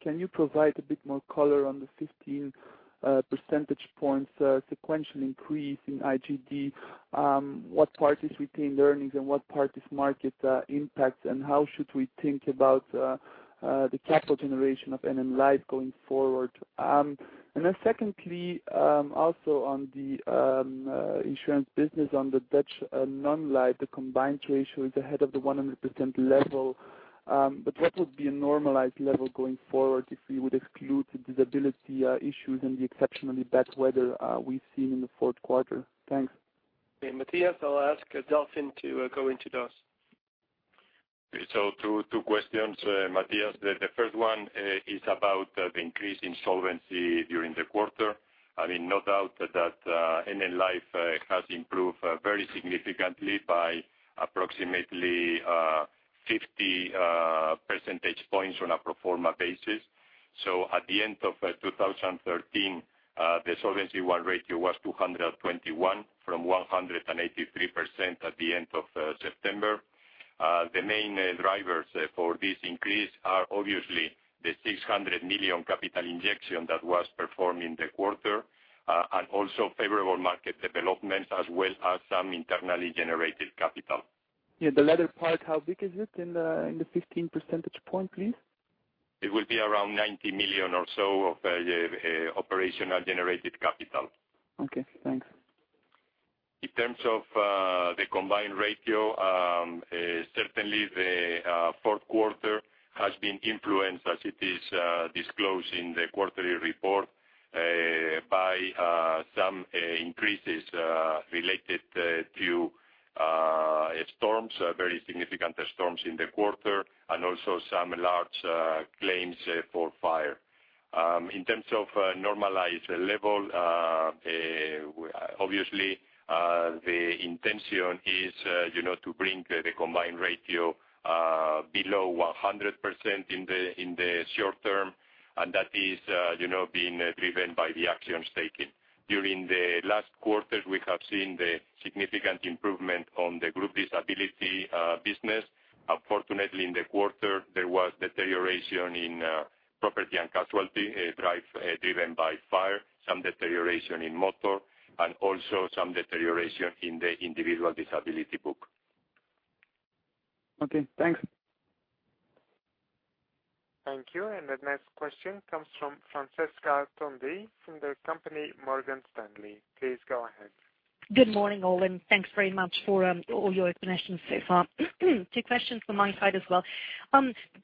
can you provide a bit more color on the 15 percentage points sequential increase in IGD? What part is retained earnings and what part is market impact, and how should we think about the capital generation of NN Life going forward? Secondly, also on the insurance business on the Dutch non-life, the combined ratio is ahead of the 100% level. But what would be a normalized level going forward if we would exclude the disability issues and the exceptionally bad weather we've seen in the fourth quarter? Thanks. Okay, Matthias, I'll ask Delphine to go into those. Two questions, Matthias. The first one is about the increase in solvency during the quarter. No doubt that NN Life has improved very significantly by approximately 50 percentage points on a pro forma basis. At the end of 2013, the Solvency I ratio was 221 from 183% at the end of September. The main drivers for this increase are obviously the 600 million capital injection that was performed in the quarter, and also favorable market developments, as well as some internally generated capital. Yeah, the latter part, how big is it in the 15 percentage point, please? It will be around 90 million or so of operational generated capital. Okay, thanks. In terms of the combined ratio, certainly the fourth quarter has been influenced as it is disclosed in the quarterly report by some increases related to storms, very significant storms in the quarter, and also some large claims for fire. In terms of normalized level, obviously, the intention is to bring the combined ratio below 100% in the short term, and that is being driven by the actions taken. During the last quarters, we have seen the significant improvement on the group disability business. Unfortunately, in the quarter, there was deterioration in property and casualty, driven by fire, some deterioration in motor, and also some deterioration in the individual disability book. Okay, thanks. Thank you. The next question comes from Francesca Tondi from the company Morgan Stanley. Please go ahead. Good morning, all, thanks very much for all your explanations so far. Two questions from my side as well.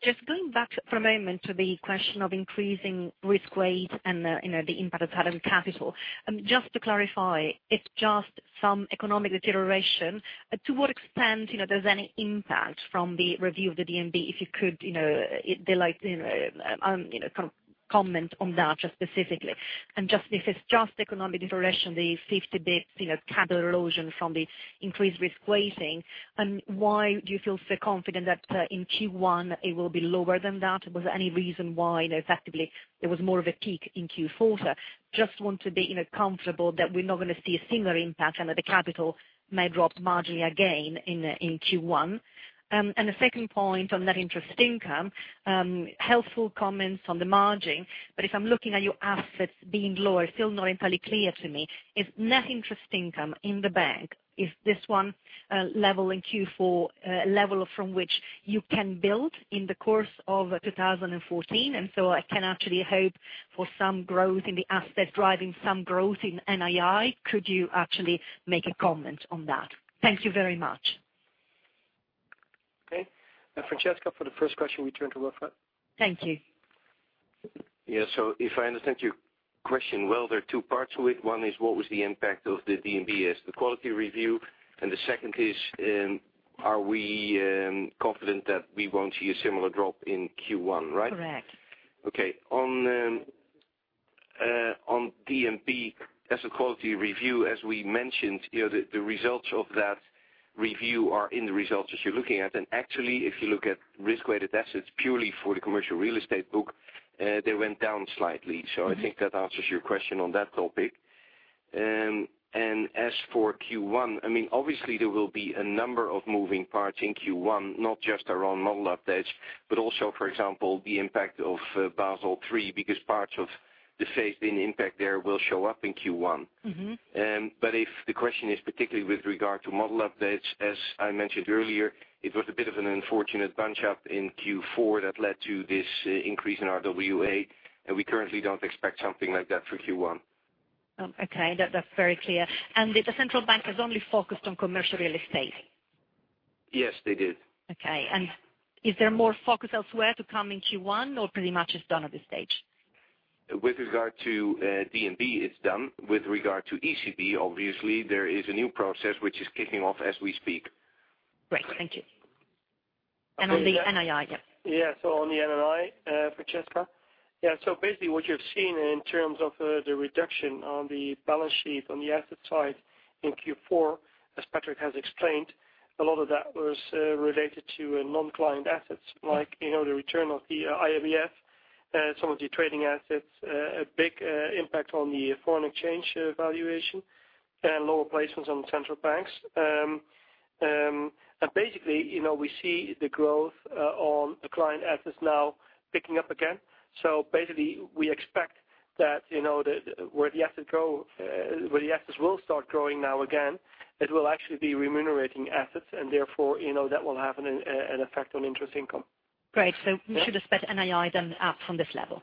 Just going back for a moment to the question of increasing risk weight and the impact of capital. Just to clarify, it's just some economic deterioration. To what extent there's any impact from the review of the DNB, if you could comment on that just specifically. If it's just economic inflation, the 50 basis points capital erosion from the increased risk weighting, why do you feel so confident that in Q1 it will be lower than that? Was there any reason why, effectively, there was more of a peak in Q4? Just want to be comfortable that we're not going to see a similar impact and that the capital may drop marginally again in Q1. The second point on Net Interest Income, helpful comments on the margin. If I'm looking at your assets being lower, it's still not entirely clear to me. Is Net Interest Income in the bank, is this one level in Q4 a level from which you can build in the course of 2014, I can actually hope for some growth in the assets driving some growth in NII? Could you actually make a comment on that? Thank you very much. Okay. Francesca, for the first question, we turn to Wilfred. Thank you. Yeah. If I understand your question well, there are two parts to it. One is what was the impact of the DNB AQR, and the second is, are we confident that we won't see a similar drop in Q1, right? Correct. Okay. On DNB AQR, as we mentioned, the results of that review are in the results as you're looking at. Actually, if you look at risk-weighted assets purely for the commercial real estate book, they went down slightly. I think that answers your question on that topic. As for Q1, obviously there will be a number of moving parts in Q1, not just around model updates, but also, for example, the impact of Basel III, because parts of the phased-in impact there will show up in Q1. If the question is particularly with regard to model updates, as I mentioned earlier, it was a bit of an unfortunate bunch-up in Q4 that led to this increase in RWA, and we currently don't expect something like that for Q1. Okay. That's very clear. The Central Bank has only focused on commercial real estate. Yes, they did. Okay. Is there more focus elsewhere to come in Q1, or pretty much is done at this stage? With regard to DNB, it's done. With regard to ECB, obviously, there is a new process which is kicking off as we speak. Great. Thank you. On the NII, yeah. Yeah. On the NII, Francesca. Yeah, basically what you've seen in terms of the reduction on the balance sheet on the asset side in Q4, as Patrick has explained, a lot of that was related to non-client assets, like the return of the IABF, some of the trading assets, a big impact on the foreign exchange valuation, and lower placements on central banks. Basically, we see the growth on the client assets now picking up again. Basically, we expect that where the assets will start growing now again, it will actually be remunerating assets and therefore, that will have an effect on interest income. Great. We should expect NII then up from this level.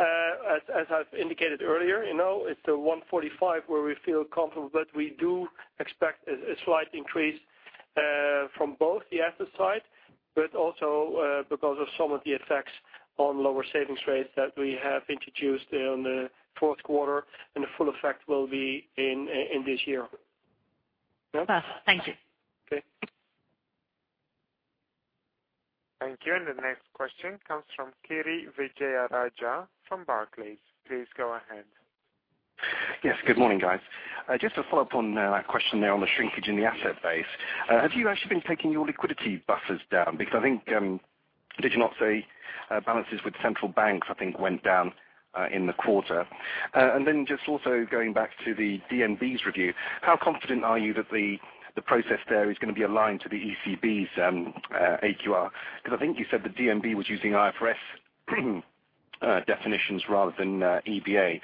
As I've indicated earlier, it's the 145 where we feel comfortable but we do expect a slight increase from both the asset side, but also because of some of the effects on lower savings rates that we have introduced in the fourth quarter, and the full effect will be in this year. Thank you. Okay. Thank you. The next question comes from Kirishanthan Vijayarajah from Barclays. Please go ahead. Yes, good morning, guys. Just to follow up on that question there on the shrinkage in the asset base. Have you actually been taking your liquidity buffers down? I think, did you not say balances with central banks, I think went down in the quarter. Just also going back to the DNB's review, how confident are you that the process there is going to be aligned to the ECB's AQR? I think you said the DNB was using IFRS definitions rather than EBA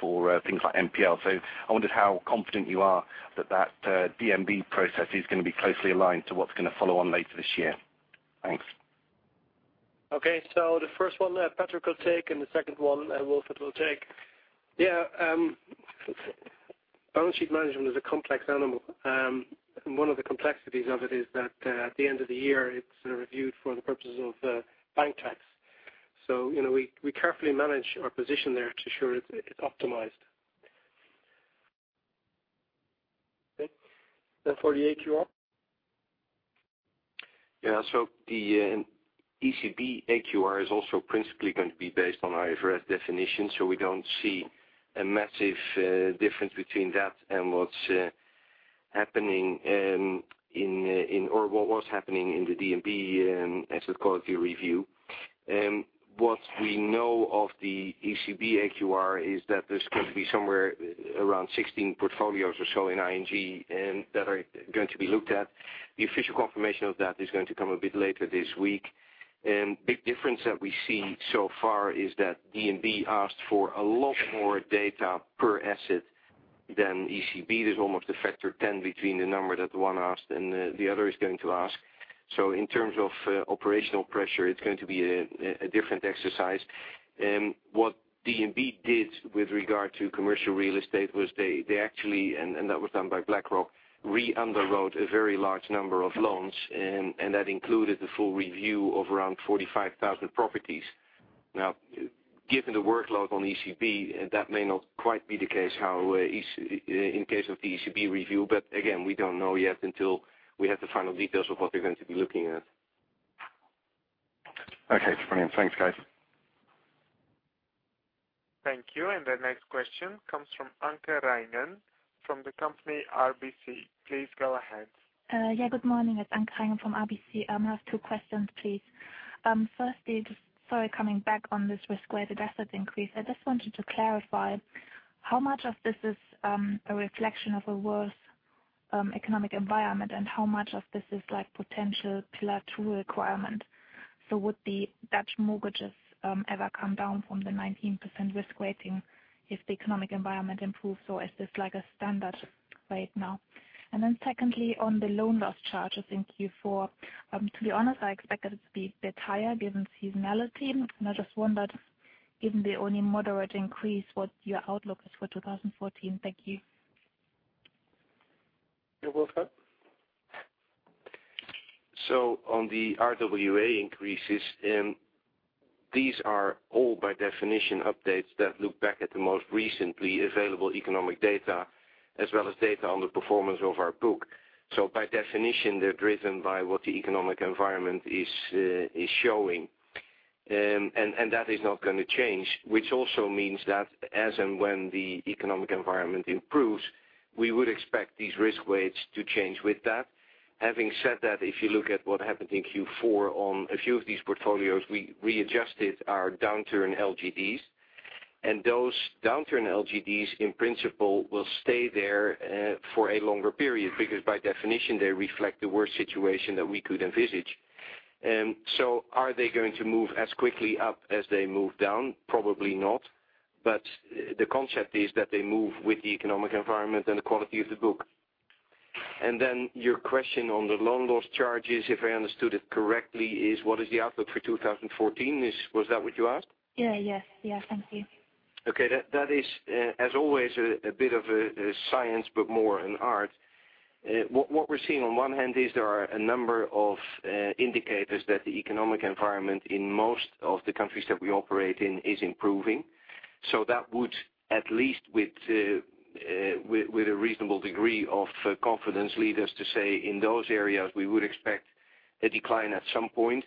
for things like NPL. I wondered how confident you are that that DNB process is going to be closely aligned to what's going to follow on later this year. Thanks. Okay. The first one, Patrick will take, and the second one, Wilfred will take. Yeah. Balance sheet management is a complex animal. One of the complexities of it is that at the end of the year, it's reviewed for the purposes of bank tax. We carefully manage our position there to ensure it's optimized. Okay. For the AQR. Yeah. The ECB AQR is also principally going to be based on IFRS definition, so we don't see a massive difference between that and what's happening, or what was happening in the DNB asset quality review. What we know of the ECB AQR is that there's going to be somewhere around 16 portfolios or so in ING that are going to be looked at. The official confirmation of that is going to come a bit later this week. Big difference that we see so far is that DNB asked for a lot more data per asset than ECB. There's almost a factor of 10 between the number that one asked and the other is going to ask. In terms of operational pressure, it's going to be a different exercise. What DNB did with regard to commercial real estate was they actually, and that was done by BlackRock, re-underwrote a very large number of loans, and that included the full review of around 45,000 properties. Given the workload on ECB, that may not quite be the case in case of the ECB review, but again, we don't know yet until we have the final details of what they're going to be looking at. Okay, brilliant. Thanks, guys. Thank you. The next question comes from Anke Reingen from the company RBC. Please go ahead. Yeah. Good morning. It's Anke Reingen from RBC. I have two questions, please. Firstly, just sorry, coming back on this risk-weighted assets increase. I just wanted to clarify how much of this is a reflection of a worse economic environment and how much of this is potential pillar 2 requirement. Would the Dutch mortgages ever come down from the 19% risk weighting if the economic environment improves, or is this like a standard rate now? Secondly, on the loan loss charges in Q4, to be honest, I expected it to be a bit higher given seasonality. I just wondered given the only moderate increase, what your outlook is for 2014. Thank you. Yeah, Wilfred. On the RWA increases, these are all by definition updates that look back at the most recently available economic data as well as data on the performance of our book. By definition, they're driven by what the economic environment is showing. That is not going to change. Also means that as and when the economic environment improves, we would expect these risk weights to change with that. Having said that, if you look at what happened in Q4 on a few of these portfolios, we readjusted our downturn LGDs, and those downturn LGDs in principle will stay there for a longer period because by definition, they reflect the worst situation that we could envisage. Are they going to move as quickly up as they move down? Probably not. The concept is that they move with the economic environment and the quality of the book. Your question on the loan loss charges, if I understood it correctly, is what is the outlook for 2014? Was that what you asked? Yeah. Thank you. That is as always, a bit of a science, but more an art. What we're seeing on one hand is there are a number of indicators that the economic environment in most of the countries that we operate in is improving. That would, at least with a reasonable degree of confidence, lead us to say in those areas, we would expect a decline at some point.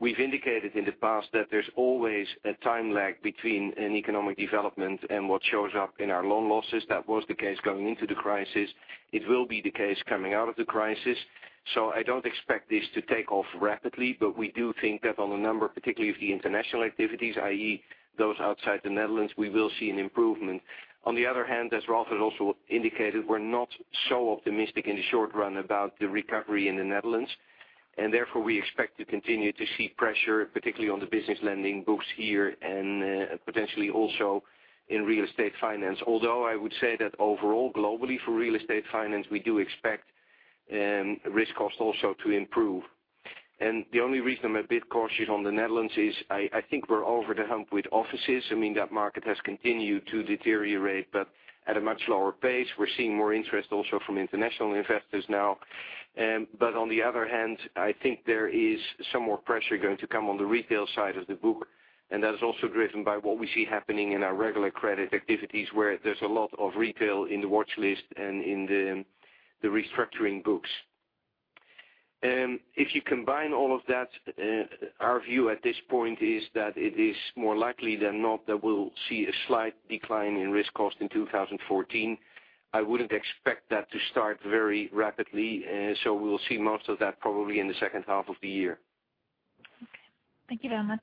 We've indicated in the past that there's always a time lag between an economic development and what shows up in our loan losses. That was the case going into the crisis. It will be the case coming out of the crisis. I don't expect this to take off rapidly, but we do think that on a number, particularly of the international activities, i.e. those outside the Netherlands, we will see an improvement. On the other hand, as Ralph Hamers has also indicated, we're not so optimistic in the short run about the recovery in the Netherlands, therefore we expect to continue to see pressure, particularly on the business lending books here and potentially also in real estate finance. Although I would say that overall globally for real estate finance, we do expect risk cost also to improve. The only reason I'm a bit cautious on the Netherlands is I think we're over the hump with offices. I mean that market has continued to deteriorate, but at a much lower pace. We're seeing more interest also from international investors now. On the other hand, I think there is some more pressure going to come on the retail side of the book, and that is also driven by what we see happening in our regular credit activities, where there's a lot of retail in the watchlist and in the restructuring books. If you combine all of that, our view at this point is that it is more likely than not that we'll see a slight decline in risk cost in 2014. I wouldn't expect that to start very rapidly. We'll see most of that probably in the second half of the year. Okay. Thank you very much.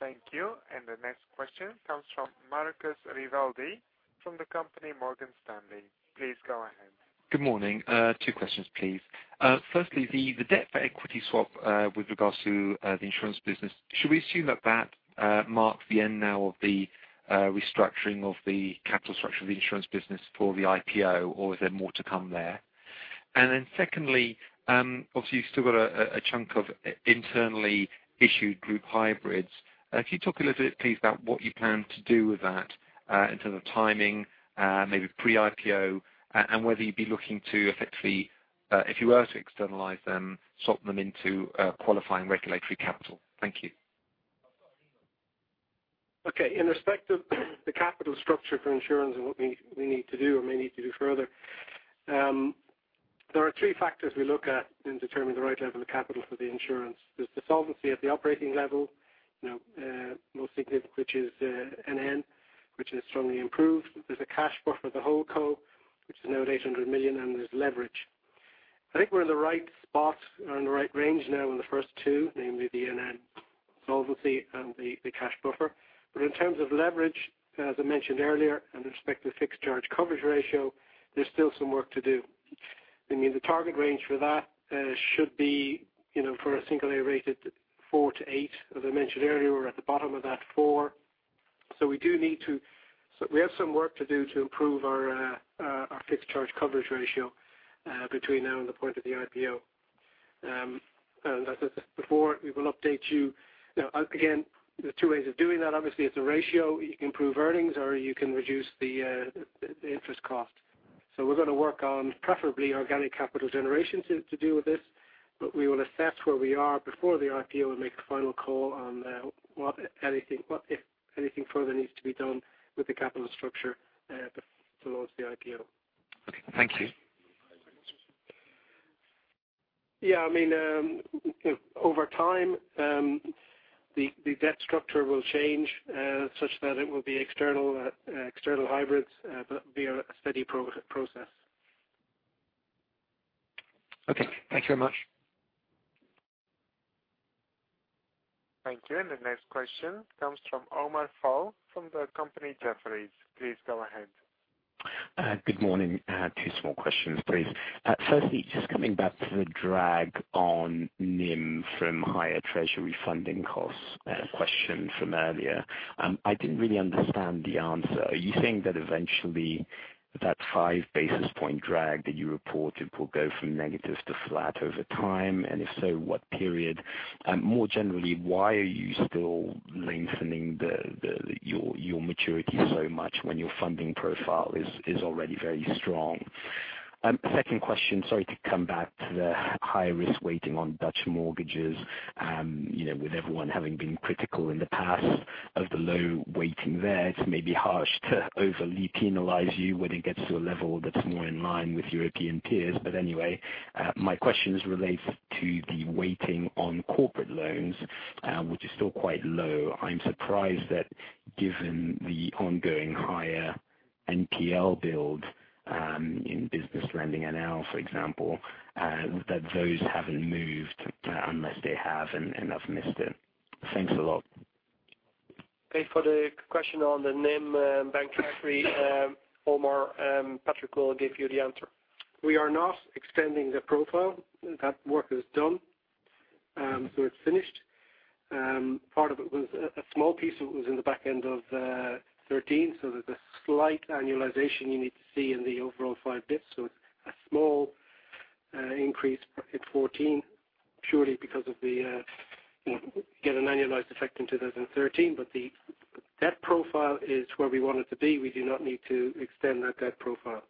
Thank you. The next question comes from Marcus Vivaldi from the company Morgan Stanley. Please go ahead. Good morning. Two questions, please. Firstly, the debt for equity swap with regards to the insurance business. Should we assume that marked the end now of the restructuring of the capital structure of the insurance business for the IPO, or is there more to come there? Secondly, obviously you've still got a chunk of internally issued group hybrids. Could you talk a little bit please about what you plan to do with that in terms of timing maybe pre-IPO, and whether you'd be looking to effectively, if you were to externalize them, swap them into qualifying regulatory capital. Thank you. Okay. In respect of the capital structure for insurance and what we need to do, or may need to do further, there are three factors we look at in determining the right level of capital for the insurance. There's the solvency at the operating level. Most significant, which is NN, which has strongly improved. There's a cash buffer for the whole co, which is now at 800 million. There's leverage. I think we're in the right spot or in the right range now in the first two, namely the NN solvency and the cash buffer. In terms of leverage, as I mentioned earlier, and respect to the fixed charge coverage ratio, there's still some work to do. I mean, the target range for that should be for a single A rated four to eight. As I mentioned earlier, we're at the bottom of that four. We have some work to do to improve our fixed charge coverage ratio between now and the point of the IPO. As I said before, we will update you. Now, again, there's two ways of doing that. Obviously, it's a ratio. You can improve earnings, or you can reduce the interest cost. We're going to work on preferably organic capital generation to deal with this. We will assess where we are before the IPO and make a final call on what, if anything further needs to be done with the capital structure towards the IPO. Okay. Thank you. Yeah. Over time, the debt structure will change such that it will be external hybrids, but via a steady process. Okay. Thank you very much. Thank you. The next question comes from Omar Fall from the company Jefferies. Please go ahead. Good morning. Two small questions, please. Firstly, just coming back to the drag on NIM from higher treasury funding costs, question from earlier. I didn't really understand the answer. Are you saying that eventually that five basis point drag that you reported will go from negative to flat over time? If so, what period? More generally, why are you still lengthening your maturity so much when your funding profile is already very strong? Second question. Sorry to come back to the high risk weighting on Dutch mortgages. With everyone having been critical in the past of the low weighting there, it's maybe harsh to overly penalize you when it gets to a level that's more in line with European peers. Anyway, my question is related to the weighting on corporate loans, which is still quite low. I'm surprised that given the ongoing higher NPL build in business lending NL, for example, that those haven't moved, unless they have, and I've missed it. Thanks a lot. Okay. For the question on the NIM bank treasury, Omar, Patrick will give you the answer. We are not extending the profile. That work is done, so it's finished. Part of it was a small piece that was in the back end of 2013, so there's a slight annualization you need to see in the overall 5 basis points. It's a small increase in 2014, purely because of the get an annualized effect in 2013. The debt profile is where we want it to be. We do not need to extend that debt profile.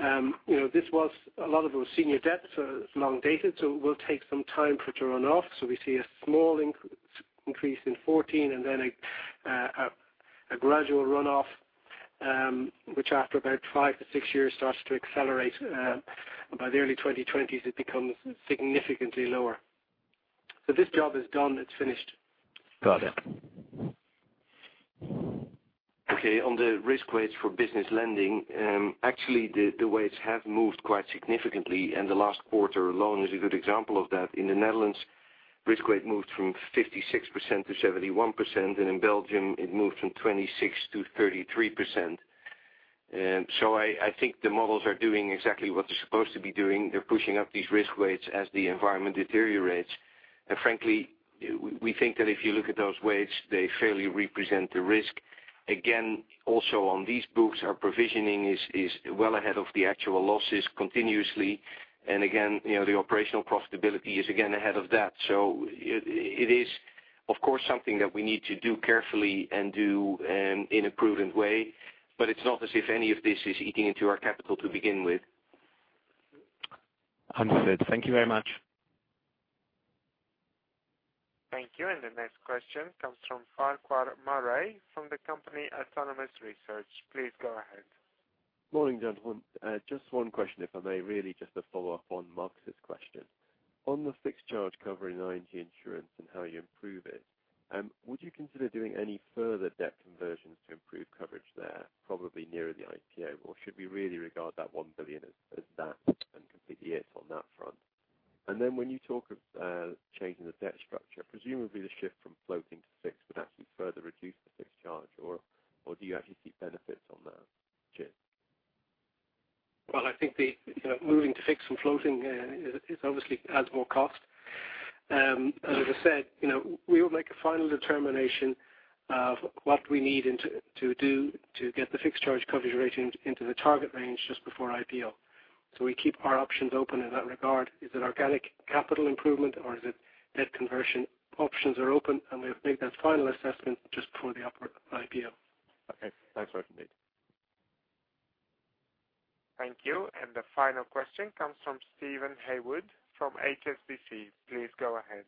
A lot of it was senior debt, so it's long dated, so it will take some time for it to run off. We see a small increase in 2014, and then a gradual runoff, which after about five to six years, starts to accelerate. By the early 2020s, it becomes significantly lower. This job is done. It's finished. Got it. Okay, on the risk weights for business lending, actually, the weights have moved quite significantly, and the last quarter alone is a good example of that. In the Netherlands, risk weight moved from 56% to 71%, and in Belgium it moved from 26% to 33%. I think the models are doing exactly what they're supposed to be doing. They're pushing up these risk weights as the environment deteriorates. Frankly, we think that if you look at those weights, they fairly represent the risk. Again, also on these books, our provisioning is well ahead of the actual losses continuously. Again, the operational profitability is again ahead of that. It is, of course, something that we need to do carefully and do in a prudent way, but it's not as if any of this is eating into our capital to begin with. Understood. Thank you very much. Thank you. The next question comes from Farquhar Murray from the company Autonomous Research. Please go ahead. Morning, gentlemen. Just one question, if I may. Really just a follow-up on Marcus' question. On the fixed charge covering ING Insurance and how you improve it, would you consider doing any further debt conversions to improve coverage there, probably nearer the IPO? Should we really regard that 1 billion as that and complete it on that front? When you talk of changing the debt structure, presumably the shift from floating to fixed would actually further reduce the fixed charge. Do you actually see benefits on that? Cheers. Well, I think moving to fixed from floating obviously adds more cost. As I said, we will make a final determination of what we need to do to get the fixed charge coverage rate into the target range just before IPO. We keep our options open in that regard. Is it organic capital improvement or is it debt conversion? Options are open, and we'll make that final assessment just before the IPO. Okay. Thanks very much indeed. Thank you. The final question comes from Steven Haywood from HSBC. Please go ahead.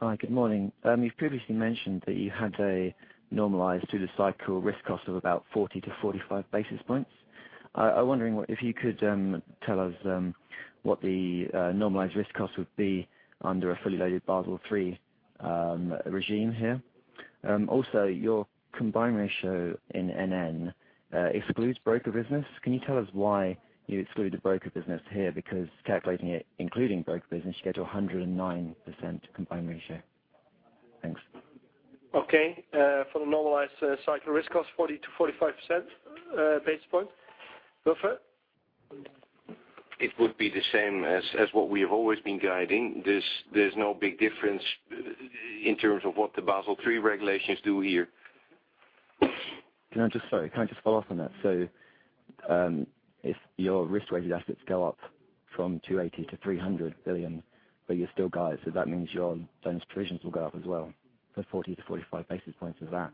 Hi. Good morning. You've previously mentioned that you had a normalized through the cycle risk cost of about 40 to 45 basis points. I'm wondering if you could tell us what the normalized risk cost would be under a fully loaded Basel III regime here. Your combined ratio in NN excludes broker business. Can you tell us why you exclude the broker business here? Calculating it including broker business, you get to 109% combined ratio. Thanks. Okay. For the normalized cycle risk cost, 40 to 45 basis points. Go for it. It would be the same as what we have always been guiding. There's no big difference in terms of what the Basel III regulations do here. Sorry, can I just follow up on that? If your risk-weighted assets go up from 280 billion to 300 billion, but you still guide, so that means your provisions will go up as well for 40 to 45 basis points of that.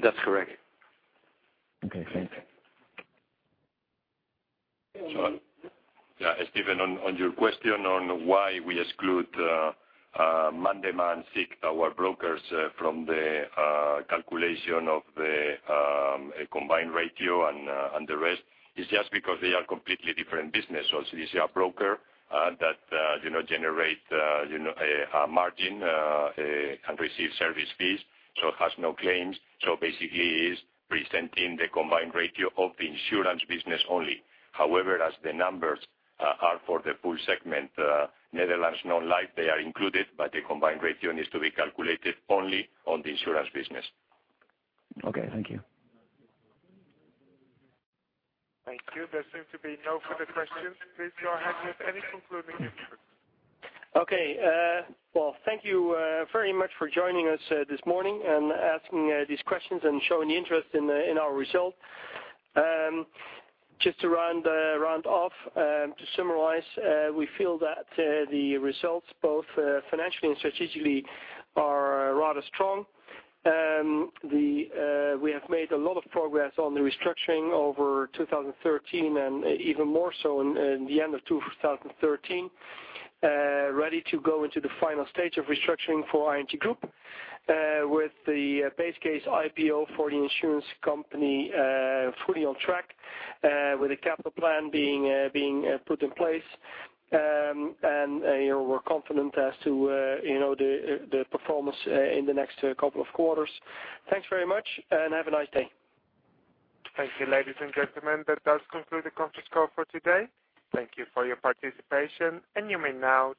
That's correct. Okay, thanks. Yeah. Steven, on your question on why we exclude [Mandate Managed SIC our brokers] from the calculation of the combined ratio and the rest, it's just because they are completely different business. This is a broker that generates a margin and receives service fees, so it has no claims. Basically, it's presenting the combined ratio of the insurance business only. However, as the numbers are for the full segment, Netherlands Non-Life, they are included, but the combined ratio needs to be calculated only on the insurance business. Okay. Thank you. Thank you. There seem to be no further questions. Please go ahead with any concluding remarks. Okay. Well, thank you very much for joining us this morning and asking these questions and showing interest in our results. Just to round off, to summarize, we feel that the results, both financially and strategically, are rather strong. We have made a lot of progress on the restructuring over 2013 and even more so in the end of 2013. Ready to go into the final stage of restructuring for ING Groep. With the base case IPO for the insurance company fully on track. With the capital plan being put in place. We're confident as to the performance in the next couple of quarters. Thanks very much and have a nice day. Thank you, ladies and gentlemen. That does conclude the conference call for today. Thank you for your participation and you may now disconnect your lines.